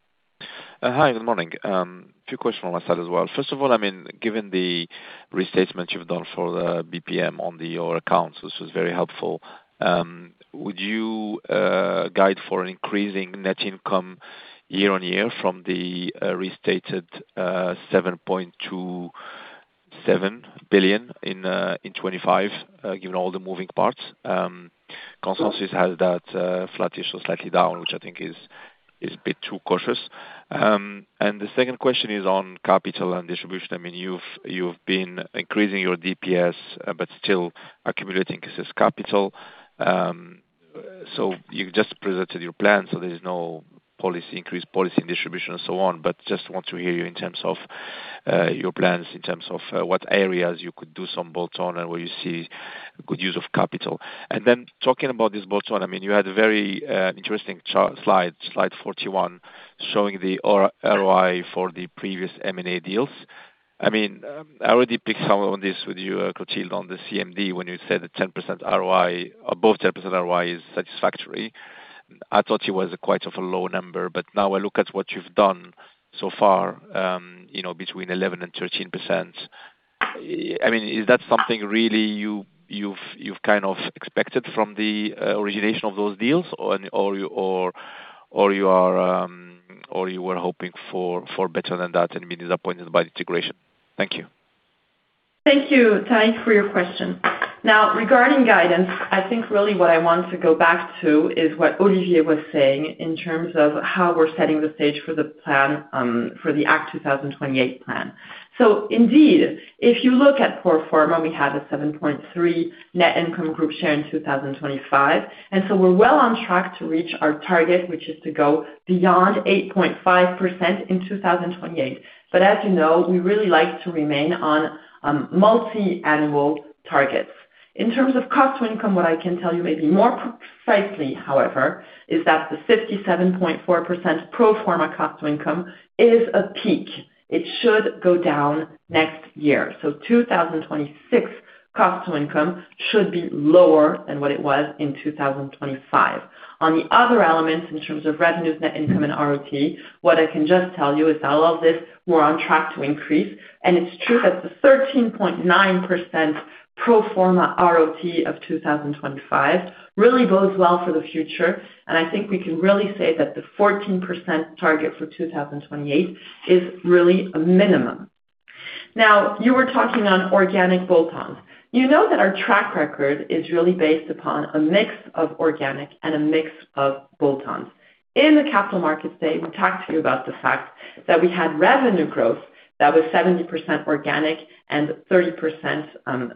Hi, good morning. A few questions on my side as well. First of all, I mean, given the restatements you've done for the BPM on the, your accounts, this was very helpful. Would you guide for an increasing net income year-over-year from the, restated, 7.27 billion in 2025, given all the moving parts? Consensus has that, flat or slightly down, which I think is, is a bit too cautious. And the second question is on capital and distribution. I mean, you've, you've been increasing your DPS, but still accumulating excess capital. So you've just presented your plan, so there's no policy increase, policy distribution and so on, but just want to hear you in terms of your plans, in terms of what areas you could do some bolt-on and where you see good use of capital. And then talking about this bolt-on, I mean, you had a very interesting chart, slide 41, showing the ROI for the previous M&A deals. I mean, I already picked up on this with you, Clotilde, on the CMD, when you said that 10% ROI, or both 10% ROI is satisfactory. I thought it was quite a low number, but now I look at what you've done so far, you know, between 11% and 13%. I mean, is that something really you, you've kind of expected from the origination of those deals? Or you were hoping for better than that and been disappointed by the integration? Thank you. Thank you, Tariq, for your question. Now, regarding guidance, I think really what I want to go back to is what Olivier was saying in terms of how we're setting the stage for the plan, for the Act 2028 plan. So indeed, if you look at pro forma, we have a 7.3 net income group share in 2025, and so we're well on track to reach our target, which is to go beyond 8.5% in 2028. But as you know, we really like to remain on, multi-annual targets. In terms of cost to income, what I can tell you maybe more precisely, however, is that the 57.4% pro forma cost to income is a peak. It should go down next year. So 2026 cost to income should be lower than what it was in 2025. On the other elements, in terms of revenues, net income, and ROTE, what I can just tell you is that all of this, we're on track to increase. And it's true that the 13.9% pro forma ROTE of 2025 really bodes well for the future, and I think we can really say that the 14% target for 2028 is really a minimum. Now, you were talking on organic bolt-ons. You know that our track record is really based upon a mix of organic and a mix of bolt-ons. In the capital markets today, we talked to you about the fact that we had revenue growth that was 70% organic and 30%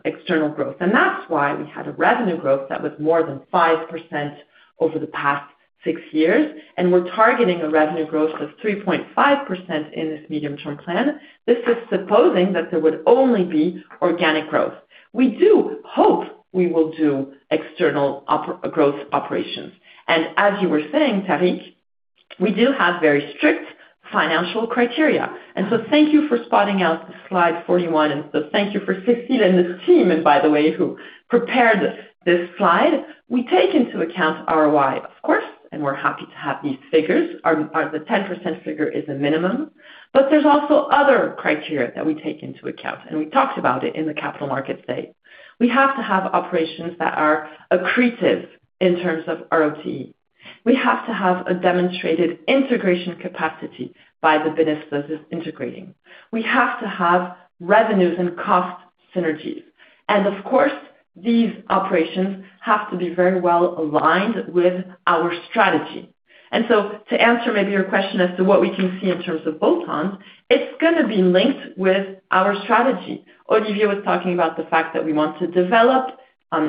external growth, and that's why we had a revenue growth that was more than 5% over the past six years, and we're targeting a revenue growth of 3.5% in this medium-term plan. This is supposing that there would only be organic growth. We do hope we will do external growth operations. As you were saying, Tarik, we do have very strict financial criteria. So thank you for pointing out slide 41, and so thank you for Cécile and this team, and by the way, who prepared this slide. We take into account ROI, of course, and we're happy to have these figures. The 10% figure is a minimum, but there's also other criteria that we take into account, and we talked about it in the capital market day. We have to have operations that are accretive in terms of ROTE. We have to have a demonstrated integration capacity by the businesses integrating. We have to have revenues and cost synergies. And of course, these operations have to be very well aligned with our strategy. And so to answer maybe your question as to what we can see in terms of bolt-ons, it's gonna be linked with our strategy. Olivier was talking about the fact that we want to develop,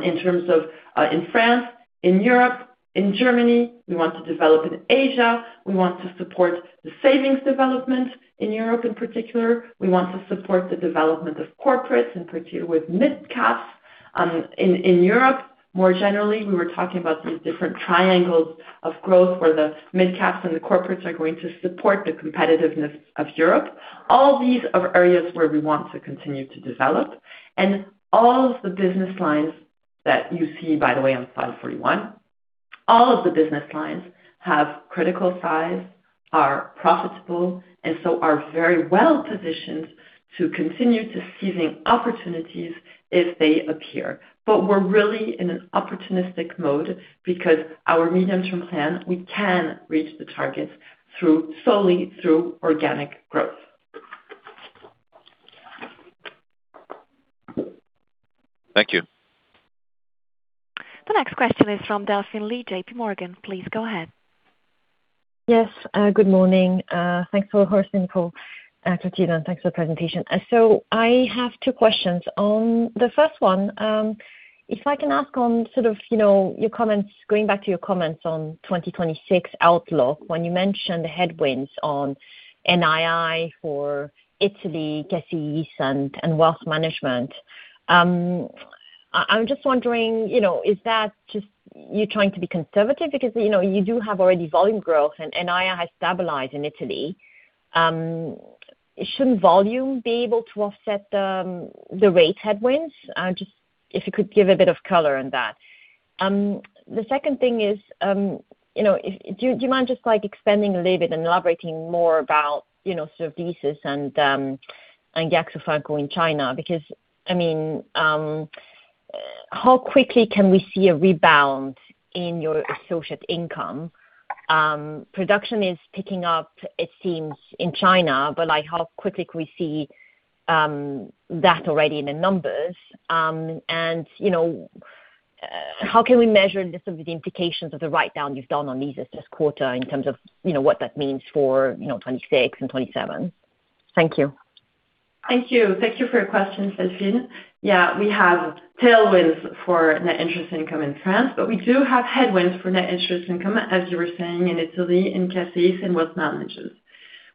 in terms of, in France, in Europe, in Germany. We want to develop in Asia. We want to support the savings development in Europe in particular. We want to support the development of corporates, in particular with midcaps, in Europe. More generally, we were talking about these different triangles of growth, where the midcaps and the corporates are going to support the competitiveness of Europe. All these are areas where we want to continue to develop, and all of the business lines that you see, by the way, on slide 41, all of the business lines have critical size, are profitable, and so are very well positioned to continue to seizing opportunities if they appear. But we're really in an opportunistic mode because our medium-term plan, we can reach the targets through solely through organic growth. Thank you. The next question is from Delphine Lee, J.P. Morgan. Please go ahead. Yes, good morning. Thanks for hosting the call, Clotilde, and thanks for the presentation. I have two questions. On the first one, if I can ask on sort of, you know, your comments, going back to your comments on 2026 outlook, when you mentioned the headwinds on NII for Italy, CACEIS, and, and wealth management. I'm just wondering, you know, is that just you trying to be conservative? Because, you know, you do have already volume growth, and NII has stabilized in Italy. Shouldn't volume be able to offset the rate headwinds? Just if you could give a bit of color on that. The second thing is, you know, if, do you mind just, like, expanding a little bit and elaborating more about, you know, sort of thesis and, and GAC-Sofinco in China? Because, I mean, how quickly can we see a rebound in your associate income? Production is picking up, it seems, in China, but, like, how quickly can we see that already in the numbers? And, you know, how can we measure the sort of the implications of the write-down you've done on this, this quarter in terms of, you know, what that means for, you know, 2026 and 2027? Thank you. Thank you. Thank you for your question, Delphine. Yeah, we have tailwinds for net interest income in France, but we do have headwinds for net interest income, as you were saying, in Italy, in CACEIS and wealth management.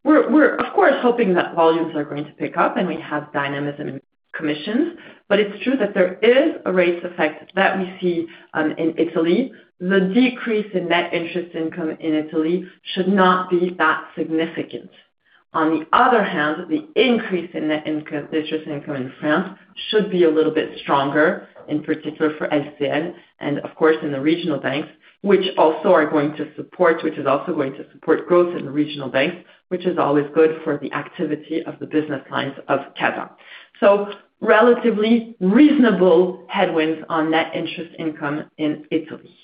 We're, of course, hoping that volumes are going to pick up, and we have dynamism in commissions, but it's true that there is a rate effect that we see, in Italy. The decrease in net interest income in Italy should not be that significant. On the other hand, the increase in net income, the interest income in France, should be a little bit stronger, in particular for LCL, and of course, in the regional banks, which also are going to support, which is also going to support growth in the regional banks, which is always good for the activity of the business lines of CA. So relatively reasonable headwinds on net interest income in Italy.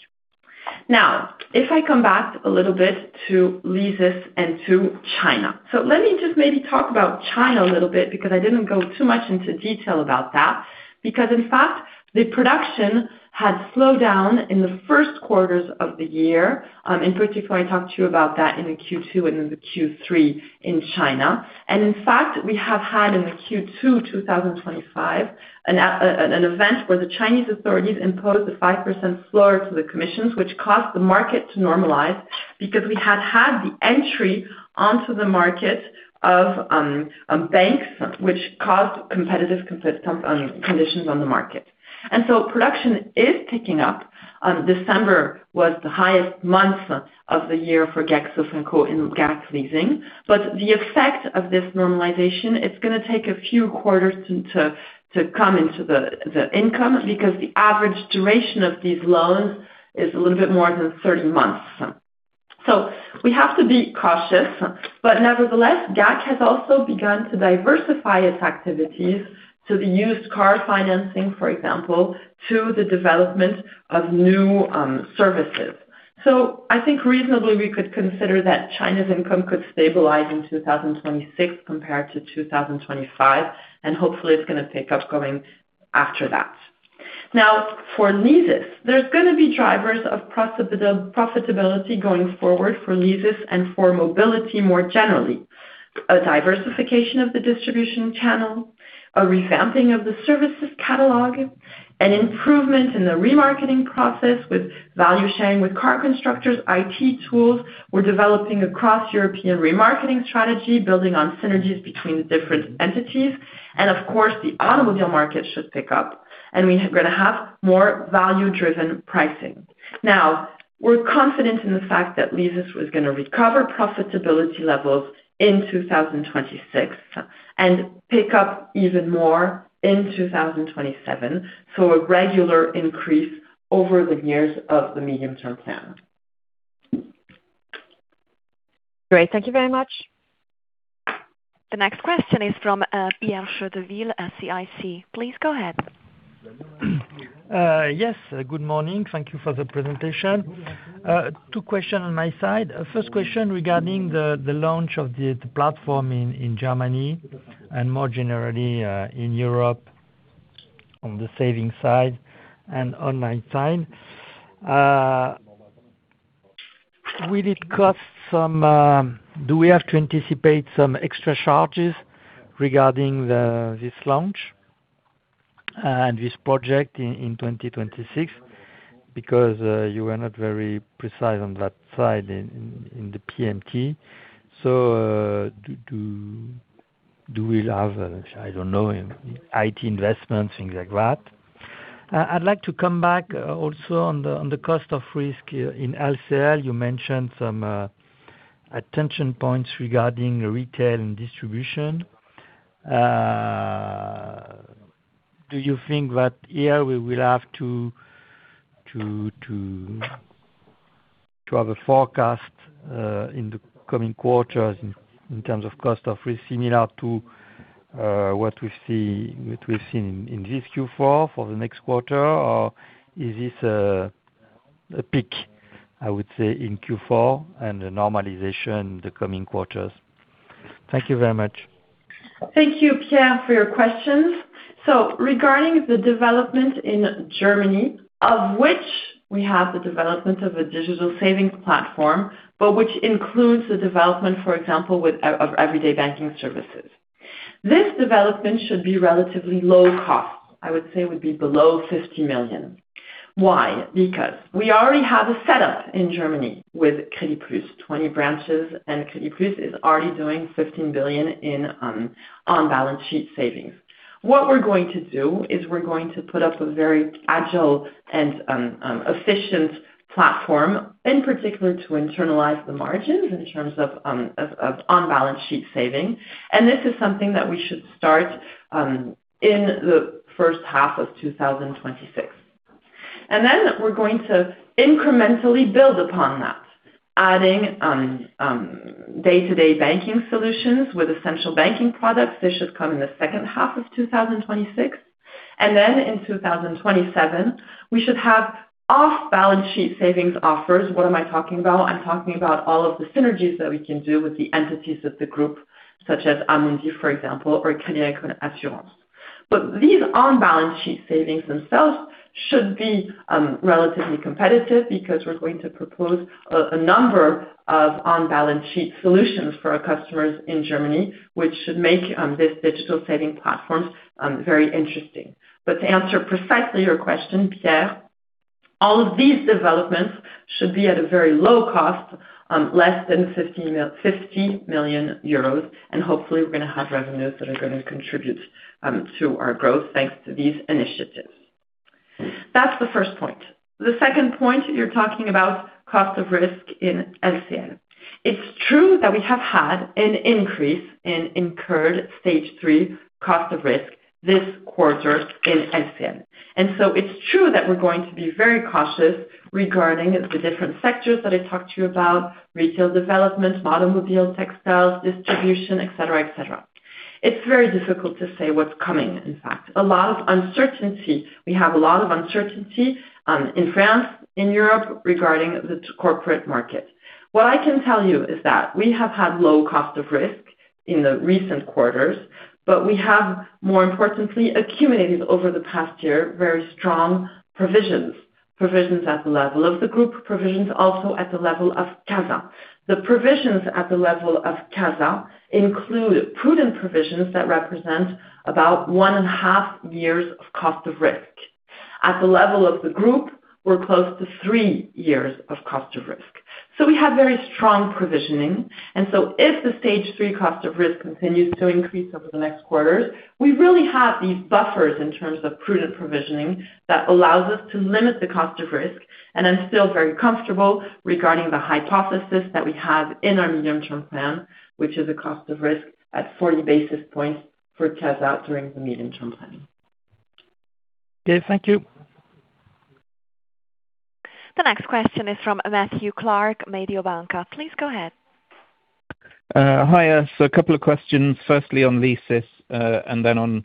Now, if I come back a little bit to Leasys and to China. So let me just maybe talk about China a little bit, because I didn't go too much into detail about that. Because, in fact, the production had slowed down in the first quarters of the year, in particular, I talked to you about that in the Q2 and in the Q3 in China. And in fact, we have had in the Q2, 2025, an event where the Chinese authorities imposed a 5% floor to the commissions, which caused the market to normalize because we had had the entry onto the market of, banks, which caused competitive conditions on the market. And so production is picking up. December was the highest month of the year for GAC-Sofinco and GAC Leasing. But the effect of this normalization, it's gonna take a few quarters to come into the income, because the average duration of these loans is a little bit more than 30 months. So we have to be cautious, but nevertheless, GAC has also begun to diversify its activities to the used car financing, for example, to the development of new services. So I think reasonably we could consider that China's income could stabilize in 2026 compared to 2025, and hopefully it's gonna pick up going after that. Now, for Leasys, there's gonna be drivers of profitability going forward for Leasys and for mobility more generally. A diversification of the distribution channel, a revamping of the services catalog, an improvement in the remarketing process with value sharing with car constructors, IT tools. We're developing across European remarketing strategy, building on synergies between different entities, and of course, the automobile market should pick up, and we are gonna have more value-driven pricing. Now, we're confident in the fact that Leasys was gonna recover profitability levels in 2026, and pick up even more in 2027. So a regular increase over the years of the medium-term plan. Great. Thank you very much. The next question is from Pierre Chedeville at CIC. Please go ahead. Yes, good morning. Thank you for the presentation. Two questions on my side. First question regarding the launch of the platform in Germany and more generally in Europe, on the savings side and online side. Will it cost some? Do we have to anticipate some extra charges regarding this launch and this project in 2026? Because you were not very precise on that side in the PMT. So, do we have, I don't know, IT investments, things like that? I'd like to come back also on the cost of risk in LCL. You mentioned some attention points regarding retail and distribution. Do you think that here we will have to have a forecast in the coming quarters in terms of cost of risk, similar to what we've seen in this Q4 for the next quarter? Or is this a peak, I would say, in Q4 and a normalization in the coming quarters? Thank you very much. Thank you, Pierre, for your questions. So regarding the development in Germany, of which we have the development of a digital savings platform, but which includes the development, for example, of everyday banking services. This development should be relatively low cost. I would say would be below 50 million. Why? Because we already have a setup in Germany with Creditplus, 20 branches, and Creditplus is already doing 15 billion in on-balance sheet savings. What we're going to do is we're going to put up a very agile and efficient platform, in particular, to internalize the margins in terms of on-balance sheet saving. And this is something that we should start in the first half of 2026. And then we're going to incrementally build upon that, adding day-to-day banking solutions with essential banking products. This should come in the second half of 2026. Then in 2027, we should have off-balance sheet savings offers. What am I talking about? I'm talking about all of the synergies that we can do with the entities of the group, such as Amundi, for example, or Crédit Agricole Assurances. But these on-balance sheet savings themselves should be relatively competitive, because we're going to propose a number of on-balance sheet solutions for our customers in Germany, which should make this digital saving platform very interesting. But to answer precisely your question, Pierre, all of these developments should be at a very low cost, less than 50 million euros, and hopefully we're gonna have revenues that are gonna contribute to our growth, thanks to these initiatives. That's the first point. The second point, you're talking about cost of risk in LCL. It's true that we have had an increase in incurred Stage 3 Cost of Risk this quarter in LCL. And so it's true that we're going to be very cautious regarding the different sectors that I talked to you about, retail development, automobile, textiles, distribution, et cetera, et cetera. It's very difficult to say what's coming, in fact. A lot of uncertainty. We have a lot of uncertainty in France, in Europe, regarding the corporate market. What I can tell you is that we have had low Cost of Risk in the recent quarters, but we have, more importantly, accumulated over the past year, very strong provisions. Provisions at the level of the group, provisions also at the level of CACEIS. The provisions at the level of CA include prudent provisions that represent about 1.5 years of cost of risk. At the level of the group, we're close to 3 years of cost of risk. So we have very strong provisioning, and so if the Stage 3 cost of risk continues to increase over the next quarters, we really have these buffers in terms of prudent provisioning, that allows us to limit the cost of risk. I'm still very comfortable regarding the hypothesis that we have in our medium-term plan, which is a cost of risk at 40 basis points for CA during the medium-term plan. Okay, thank you. The next question is from Matthew Clark, Mediobanca. Please go ahead. Hi. So a couple of questions, firstly, on Leasys, and then on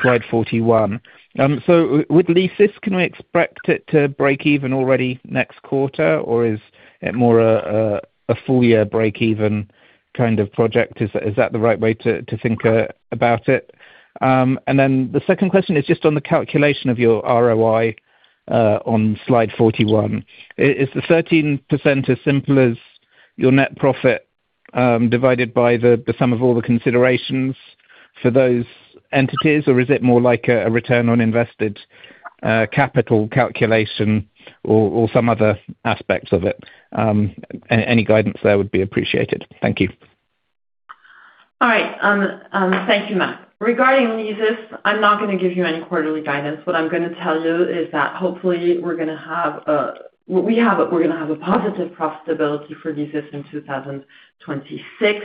slide 41. So with Leasys, can we expect it to break even already next quarter, or is it more a full year break even kind of project? Is that the right way to think about it? And then the second question is just on the calculation of your ROI on slide 41. Is the 13% as simple as your net profit divided by the sum of all the considerations for those entities, or is it more like a return on invested capital calculation or some other aspects of it? Any guidance there would be appreciated. Thank you. All right. Thank you, Matt. Regarding Leasys, I'm not going to give you any quarterly guidance. What I'm going to tell you is that hopefully we're going to have a positive profitability for leases in 2026,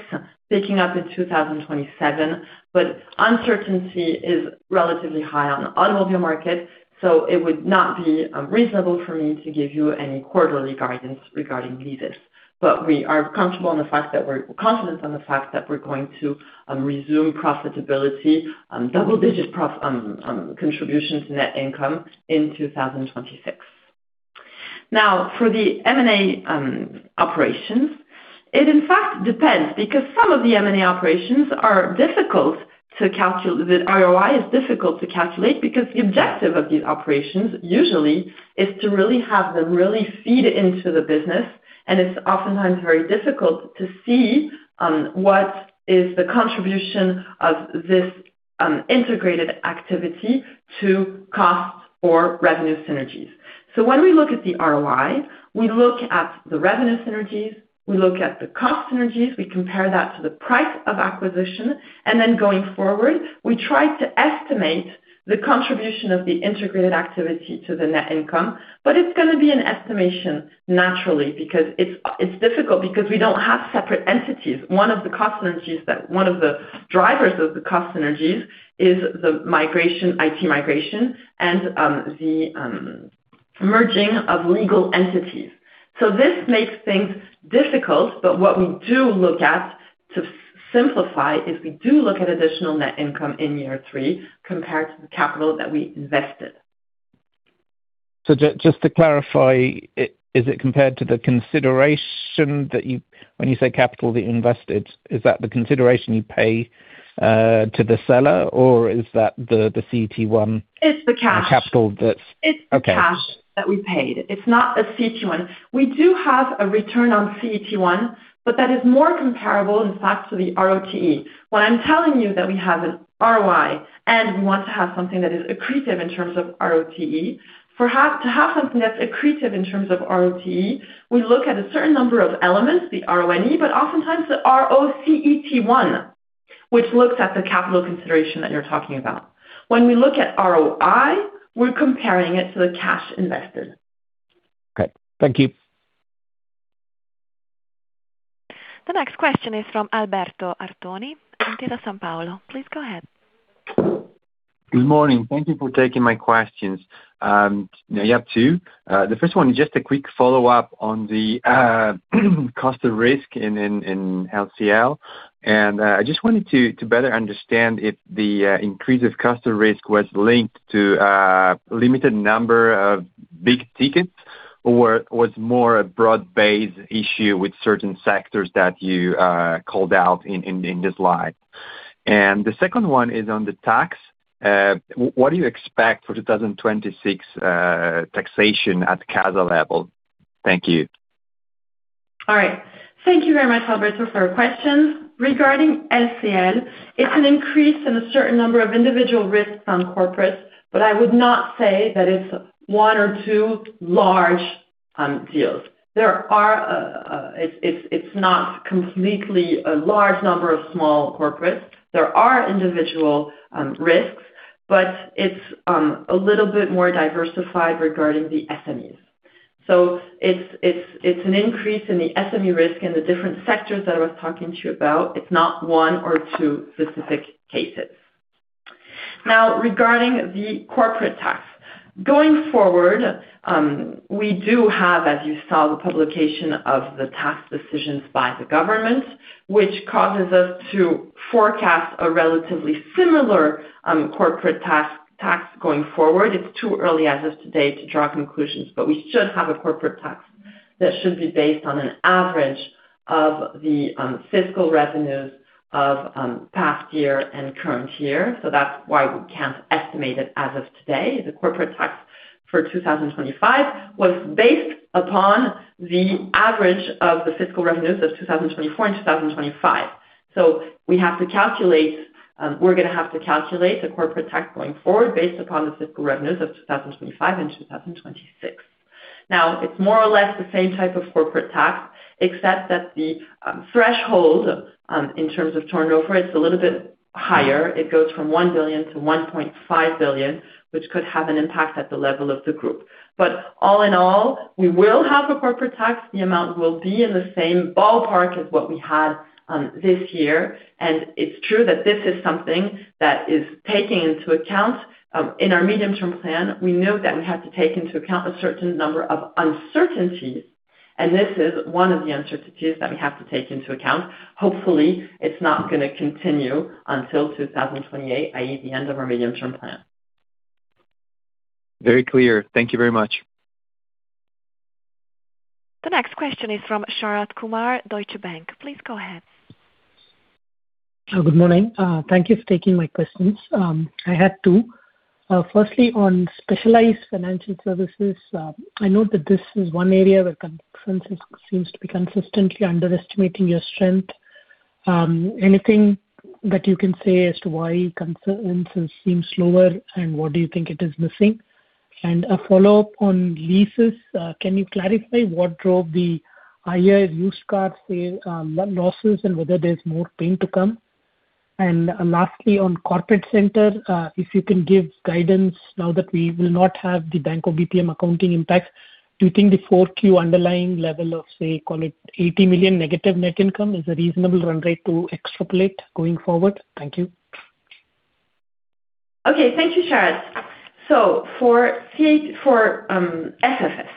picking up in 2027. But uncertainty is relatively high on the automobile market, so it would not be reasonable for me to give you any quarterly guidance regarding leases. But we are comfortable on the fact that we're confident on the fact that we're going to resume profitability, double-digit prof, contribution to net income in 2026. Now, for the M&A operations, in fact, it depends, because some of the M&A operations are difficult to calculate—the ROI is difficult to calculate because the objective of these operations usually is to really have them really feed into the business, and it's oftentimes very difficult to see what is the contribution of this integrated activity to cost or revenue synergies. So when we look at the ROI, we look at the revenue synergies, we look at the cost synergies, we compare that to the price of acquisition, and then going forward, we try to estimate the contribution of the integrated activity to the net income. But it's going to be an estimation, naturally, because it's difficult because we don't have separate entities. One of the cost synergies that, one of the drivers of the cost synergies is the migration, IT migration and the merging of legal entities. So this makes things difficult, but what we do look at, to simplify, is we do look at additional net income in year three compared to the capital that we invested. So just to clarify, is it compared to the consideration that you, when you say capital that you invested, is that the consideration you pay to the seller, or is that the CET1- It's the cash. The capital that's- It's- Okay. cash that we paid. It's not a CET1. We do have a return on CET1, but that is more comparable, in fact, to the ROTE. When I'm telling you that we have an ROI, and we want to have something that is accretive in terms of ROTE, to have something that's accretive in terms of ROTE, we look at a certain number of elements, the RONE, but oftentimes the ROCET1, which looks at the capital consideration that you're talking about. When we look at ROI, we're comparing it to the cash invested. Okay, thank you. The next question is from Alberto Artoni, Intesa Sanpaolo. Please go ahead. Good morning. Thank you for taking my questions. Now you have two. The first one is just a quick follow-up on the cost of risk in LCL. And I just wanted to better understand if the increase of cost of risk was linked to limited number of big tickets, or was more a broad-based issue with certain sectors that you called out in the slide. The second one is on the tax. What do you expect for 2026 taxation at caisse level? Thank you. All right. Thank you very much, Alberto, for your questions. Regarding LCL, it's an increase in a certain number of individual risks on corporates, but I would not say that it's one or two large deals. There are individual risks, but it's a little bit more diversified regarding the SMEs. So it's an increase in the SME risk in the different sectors that I was talking to you about. It's not one or two specific cases. Now, regarding the corporate tax. Going forward, we do have, as you saw, the publication of the tax decisions by the government, which causes us to forecast a relatively similar corporate tax going forward. It's too early as of today to draw conclusions, but we should have a corporate tax that should be based on an average of the fiscal revenues of past year and current year. So that's why we can't estimate it as of today. The corporate tax for 2025 was based upon the average of the fiscal revenues of 2024 and 2025. So we have to calculate, we're going to have to calculate the corporate tax going forward based upon the fiscal revenues of 2025 and 2026. Now, it's more or less the same type of corporate tax, except that the threshold in terms of turnover, it's a little bit higher. It goes from 1 billion to 1.5 billion, which could have an impact at the level of the group. But all in all, we will have a corporate tax. The amount will be in the same ballpark as what we had this year. And it's true that this is something that is taking into account in our medium-term plan; we know that we have to take into account a certain number of uncertainties, and this is one of the uncertainties that we have to take into account. Hopefully, it's not going to continue until 2028, i.e., the end of our medium-term plan. Very clear. Thank you very much. The next question is from Sharath Kumar, Deutsche Bank. Please go ahead. Good morning. Thank you for taking my questions. I had two. Firstly, on specialized financial services, I know that this is one area where consensus seems to be consistently underestimating your strength. Anything that you can say as to why consensus seems slower, and what do you think it is missing? A follow-up on leases, can you clarify what drove the higher used car sale losses, and whether there's more pain to come? Lastly, on corporate center, if you can give guidance now that we will not have the Banco BPM accounting impact, do you think the Q4 underlying level of, say, call it 80 million negative net income, is a reasonable run rate to extrapolate going forward? Thank you. Okay, thank you, Sharath. So for SFS,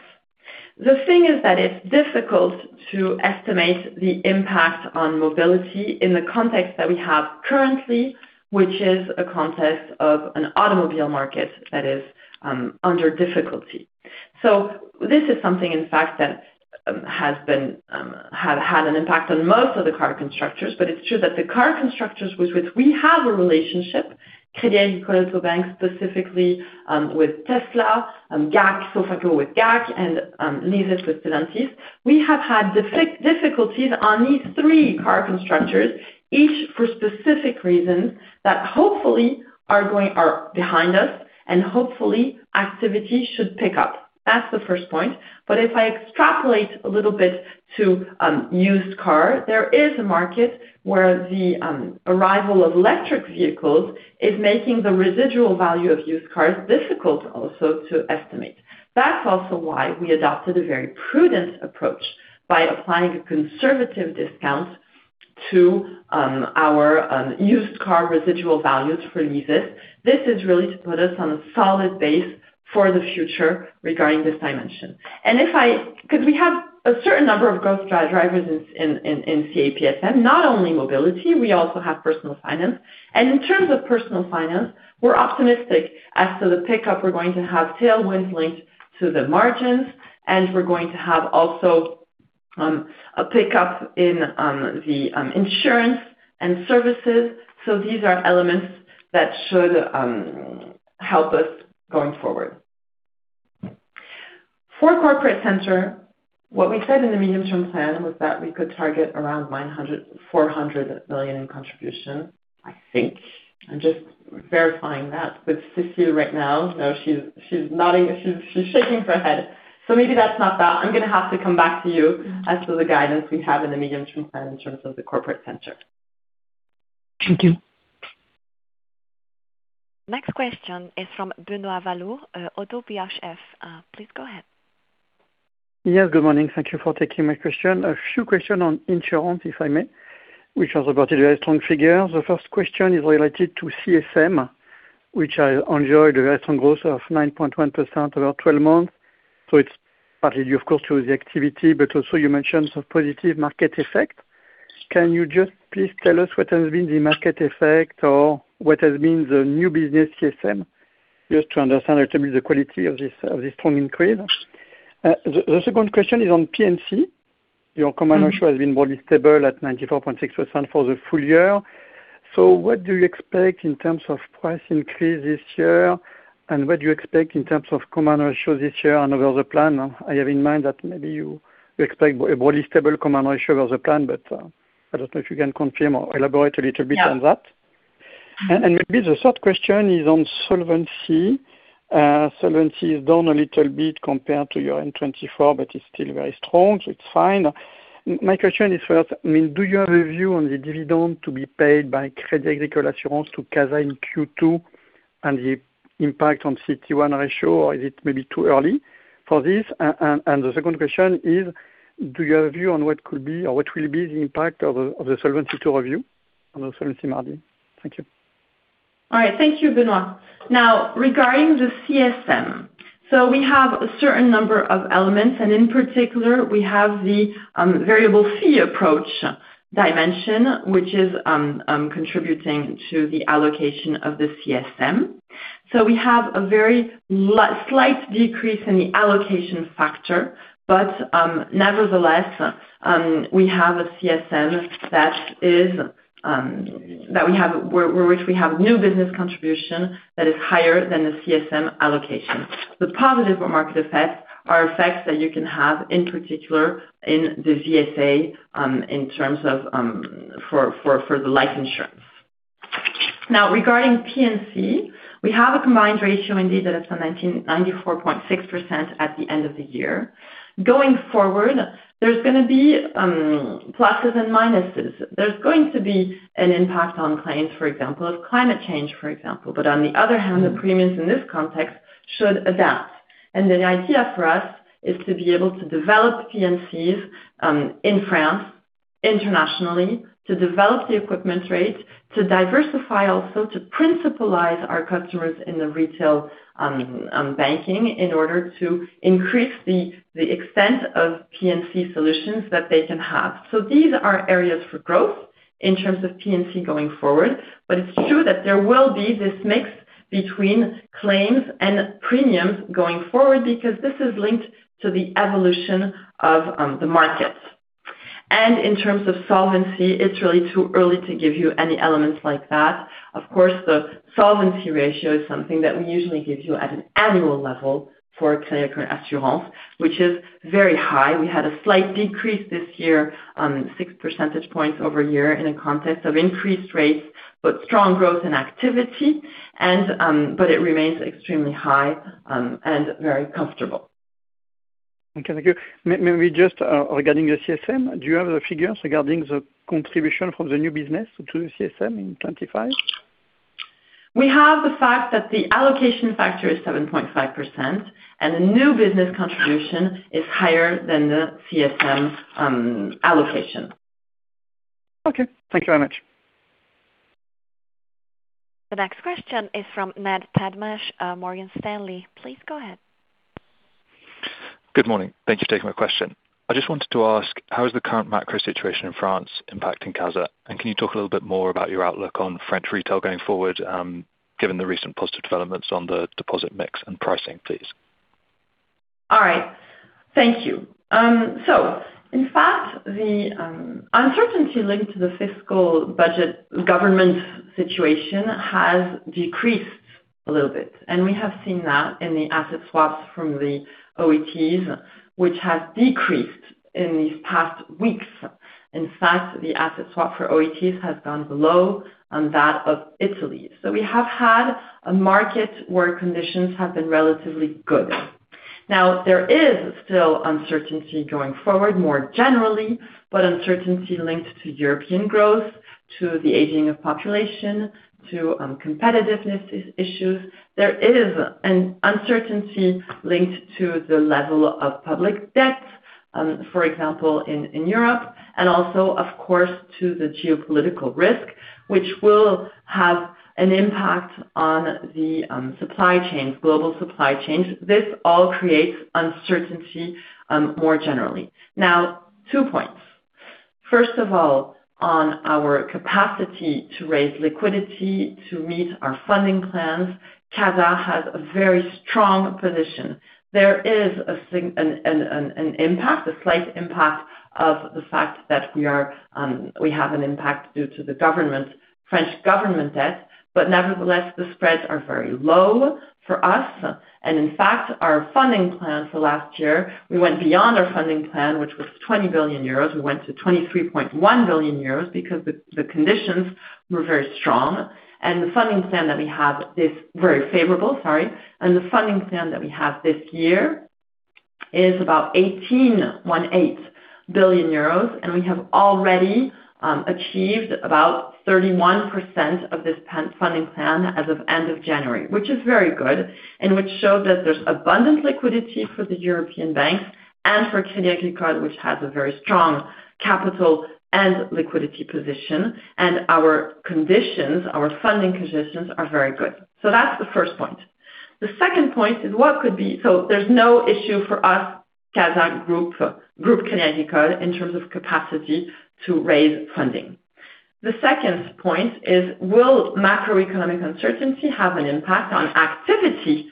the thing is that it's difficult to estimate the impact on mobility in the context that we have currently, which is a context of an automobile market that is under difficulty. So this is something, in fact, that has had an impact on most of the car constructors. But it's true that the car constructors with which we have a relationship, Crédit Agricole Auto Bank, specifically, with Tesla, GAC-Sofinco with GAC, and Leasys with Stellantis. We have had difficulties on these three car constructors, each for specific reasons that hopefully are going, are behind us, and hopefully activity should pick up. That's the first point. But if I extrapolate a little bit to used car, there is a market where the arrival of electric vehicles is making the residual value of used cars difficult also to estimate. That's also why we adopted a very prudent approach by applying a conservative discount to our used car residual values for leases. This is really to put us on a solid base for the future regarding this dimension. And because we have a certain number of growth drivers in CA PFM, not only mobility, we also have personal finance. And in terms of personal finance, we're optimistic as to the pickup. We're going to have tailwinds linked to the margins, and we're going to have also a pickup in the insurance and services. So these are elements that should help us going forward. For corporate center, what we said in the medium-term plan was that we could target around 900-400 million in contribution, I think. I'm just verifying that with Cécile right now. No, she's, she's nodding, she's, she's shaking her head. So maybe that's not that. I'm gonna have to come back to you as to the guidance we have in the medium-term plan in terms of the corporate center. Thank you. Next question is from Benoît Valleaux, ODDO BHF. Please go ahead. Yes, good morning. Thank you for taking my question. A few questions on insurance, if I may, which are about the very strong figures. The first question is related to CSM, which I enjoy the very strong growth of 9.1%, about 12 months. So it's partly due, of course, to the activity, but also you mentioned some positive market effect. Can you just please tell us what has been the market effect or what has been the new business CSM, just to understand what may be the quality of this, of this strong increase? The second question is on P&C. Your combined ratio has been broadly stable at 94.6% for the full year. So what do you expect in terms of price increase this year? And what do you expect in terms of combined ratio this year and over the plan? I have in mind that maybe you expect a broadly stable combined ratio as a plan, but I don't know if you can confirm or elaborate a little bit on that. Yeah. Maybe the third question is on solvency. Solvency is down a little bit compared to your end 2024, but it's still very strong, so it's fine. My question is, first, I mean, do you have a view on the dividend to be paid by Crédit Agricole Assurances to CASA in Q2 and the impact on CET1 ratio, or is it maybe too early for this? And the second question is, do you have a view on what could be or what will be the impact of the Solvency II review on the solvency margin? Thank you. All right. Thank you, Benoît. Now, regarding the CSM, so we have a certain number of elements, and in particular, we have the Variable Fee Approach dimension, which is contributing to the allocation of the CSM. So we have a very slight decrease in the allocation factor, but nevertheless, we have a CSM that is that we have where which we have new business contribution that is higher than the CSM allocation. The positive market effects are effects that you can have, in particular in the GSA, in terms of for the life insurance. Now, regarding P&C, we have a combined ratio indeed that is 94.6% at the end of the year. Going forward, there's gonna be pluses and minuses. There's going to be an impact on claims, for example, of climate change, for example. But on the other hand, the premiums in this context should adapt. The idea for us is to be able to develop P&Cs in France, internationally, to develop the equipment rate, to diversify, also to principalize our customers in the retail banking, in order to increase the extent of P&C solutions that they can have. So these are areas for growth in terms of P&C going forward. But it's true that there will be this mix between claims and premiums going forward, because this is linked to the evolution of the markets. And in terms of solvency, it's really too early to give you any elements like that. Of course, the solvency ratio is something that we usually give you at an annual level. For Crédit Agricole Assurances, which is very high. We had a slight decrease this year, six percentage points year-over-year in the context of increased rates, but strong growth in activity, but it remains extremely high, and very comfortable. Okay, thank you. Maybe just, regarding the CSM, do you have the figures regarding the contribution from the new business to the CSM in 2025? We have the fact that the allocation factor is 7.5%, and the new business contribution is higher than the CSM allocation. Okay, thank you very much. The next question is from Matt Padmash, Morgan Stanley. Please go ahead. Good morning. Thank you for taking my question. I just wanted to ask, how is the current macro situation in France impacting CA? And can you talk a little bit more about your outlook on French retail going forward, given the recent positive developments on the deposit mix and pricing, please? All right. Thank you. So in fact, the uncertainty linked to the fiscal budget government situation has decreased a little bit, and we have seen that in the asset swaps from the OATs, which has decreased in these past weeks. In fact, the asset swap for OATs has gone below that of Italy. So we have had a market where conditions have been relatively good. Now, there is still uncertainty going forward, more generally, but uncertainty linked to European growth, to the aging of population, to competitiveness issues. There is an uncertainty linked to the level of public debt, for example, in Europe, and also, of course, to the geopolitical risk, which will have an impact on the supply chains, global supply chains. This all creates uncertainty, more generally. Now, two points. First of all, on our capacity to raise liquidity to meet our funding plans, CA has a very strong position. There is a slight impact of the fact that we are, we have an impact due to the government, French government debt. But nevertheless, the spreads are very low for us, and in fact, our funding plan for last year, we went beyond our funding plan, which was 20 billion euros. We went to 23.1 billion euros because the conditions were very strong. And the funding plan that we have this. Very favorable, sorry. The funding plan that we have this year is about 18.18 billion euros, and we have already achieved about 31% of this planned funding plan as of end of January, which is very good, and which shows that there's abundant liquidity for the European banks and for Crédit Agricole, which has a very strong capital and liquidity position, and our conditions, our funding conditions, are very good. So that's the first point. The second point is, so there's no issue for us, Crédit Agricole Group, in terms of capacity to raise funding. The second point is, will macroeconomic uncertainty have an impact on activity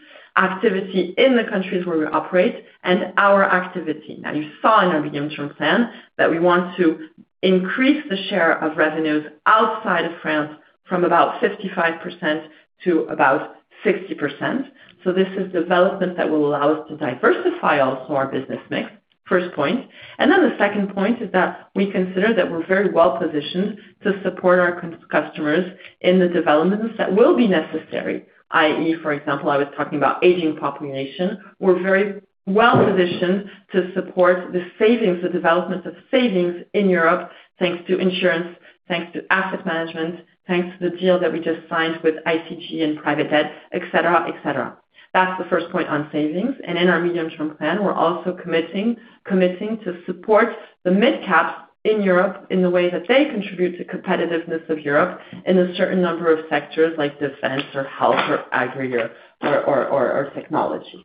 in the countries where we operate and our activity? Now, you saw in our medium-term plan that we want to increase the share of revenues outside of France from about 55% to about 60%. So this is development that will allow us to diversify also our business mix, first point. And then the second point is that we consider that we're very well positioned to support our customers in the developments that will be necessary, i.e., for example, I was talking about aging population. We're very well positioned to support the savings, the development of savings in Europe, thanks to insurance, thanks to asset management, thanks to the deal that we just signed with ICG and private debt, et cetera, et cetera. That's the first point on savings, and in our medium-term plan, we're also committing to support the midcaps in Europe in the way that they contribute to competitiveness of Europe in a certain number of sectors like defense or health or agri or technology.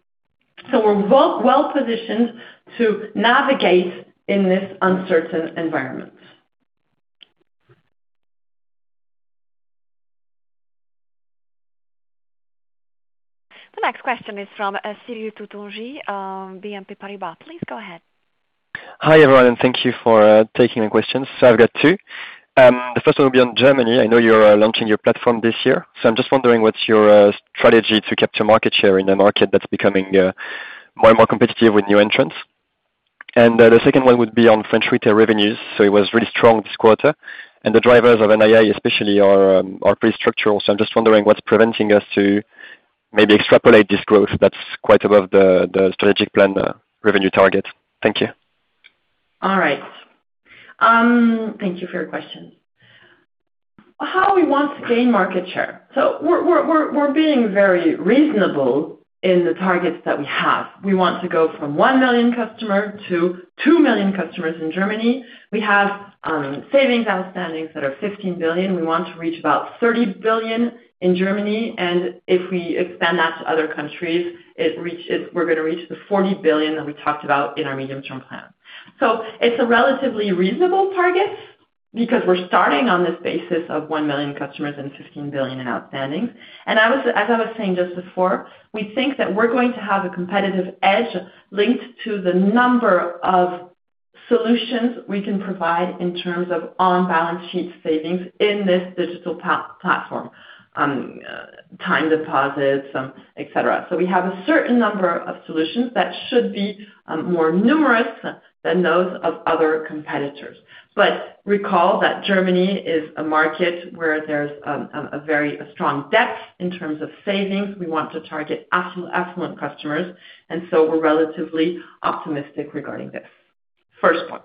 So we're well positioned to navigate in this uncertain environment. The next question is from Siri Tutungi, BNP Paribas. Please go ahead. Hi, everyone, and thank you for taking the questions. So I've got two. The first one will be on Germany. I know you're launching your platform this year, so I'm just wondering what's your strategy to capture market share in a market that's becoming more and more competitive with new entrants? And the second one would be on French retail revenues, so it was really strong this quarter, and the drivers of NII, especially are pretty structural. So I'm just wondering what's preventing us to maybe extrapolate this growth that's quite above the strategic plan revenue target. Thank you. All right. Thank you for your question. How we want to gain market share? So we're being very reasonable in the targets that we have. We want to go from 1 million customers to 2 million customers in Germany. We have savings outstandings that are 15 billion. We want to reach about 30 billion in Germany, and if we expand that to other countries, we're going to reach the 40 billion that we talked about in our medium-term plan. So it's a relatively reasonable target because we're starting on this basis of 1 million customers and 15 billion in outstandings. And as I was saying just before, we think that we're going to have a competitive edge linked to the number of- solutions we can provide in terms of on-balance sheet savings in this digital platform, time deposits, et cetera. So we have a certain number of solutions that should be more numerous than those of other competitors. But recall that Germany is a market where there's a very strong depth in terms of savings. We want to target affluent customers, and so we're relatively optimistic regarding this. First point.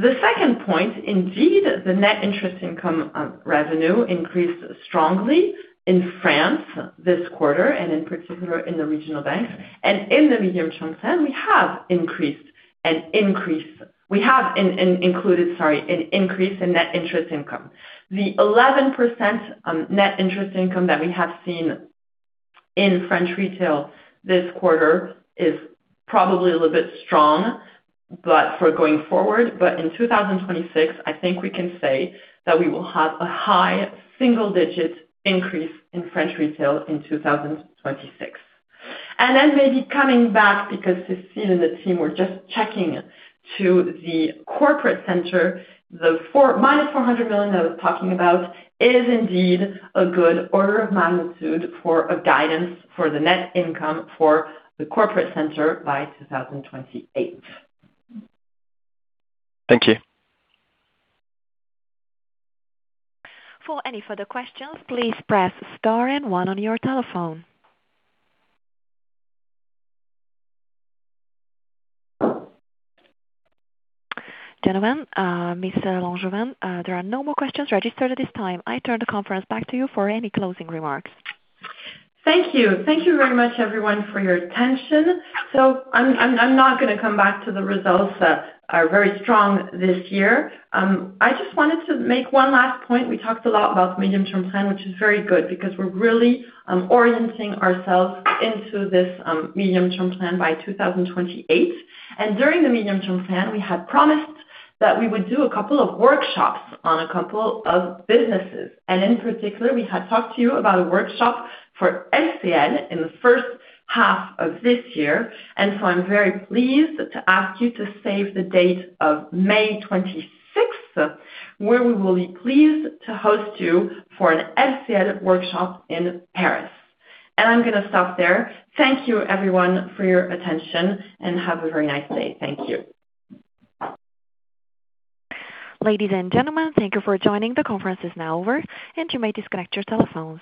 The second point, indeed, the net interest income revenue increased strongly in France this quarter, and in particular, in the regional banks, and in the medium-term plan, we have increased an increase- we have in, in included, sorry, an increase in net interest income. The 11%, net interest income that we have seen in French retail this quarter is probably a little bit strong, but for going forward, but in 2026, I think we can say that we will have a high single-digit increase in French retail in 2026. And then maybe coming back, because Cécile and the team were just checking to the corporate center, the minus 400 million I was talking about is indeed a good order of magnitude for a guidance for the net income for the corporate center by 2028. Thank you. For any further questions, please press star and one on your telephone. Gentlemen, Miss L’Angevin, there are no more questions registered at this time. I turn the conference back to you for any closing remarks. Thank you. Thank you very much, everyone, for your attention. So I'm not gonna come back to the results that are very strong this year. I just wanted to make one last point. We talked a lot about the medium-term plan, which is very good because we're really orienting ourselves into this medium-term plan by 2028. And during the medium-term plan, we had promised that we would do a couple of workshops on a couple of businesses. And in particular, we had talked to you about a workshop for LCL in the first half of this year. And so I'm very pleased to ask you to save the date of May 26th, where we will be pleased to host you for an LCL workshop in Paris. And I'm gonna stop there. Thank you, everyone, for your attention, and have a very nice day. Thank you. Ladies and gentlemen, thank you for joining. The conference is now over, and you may disconnect your telephones.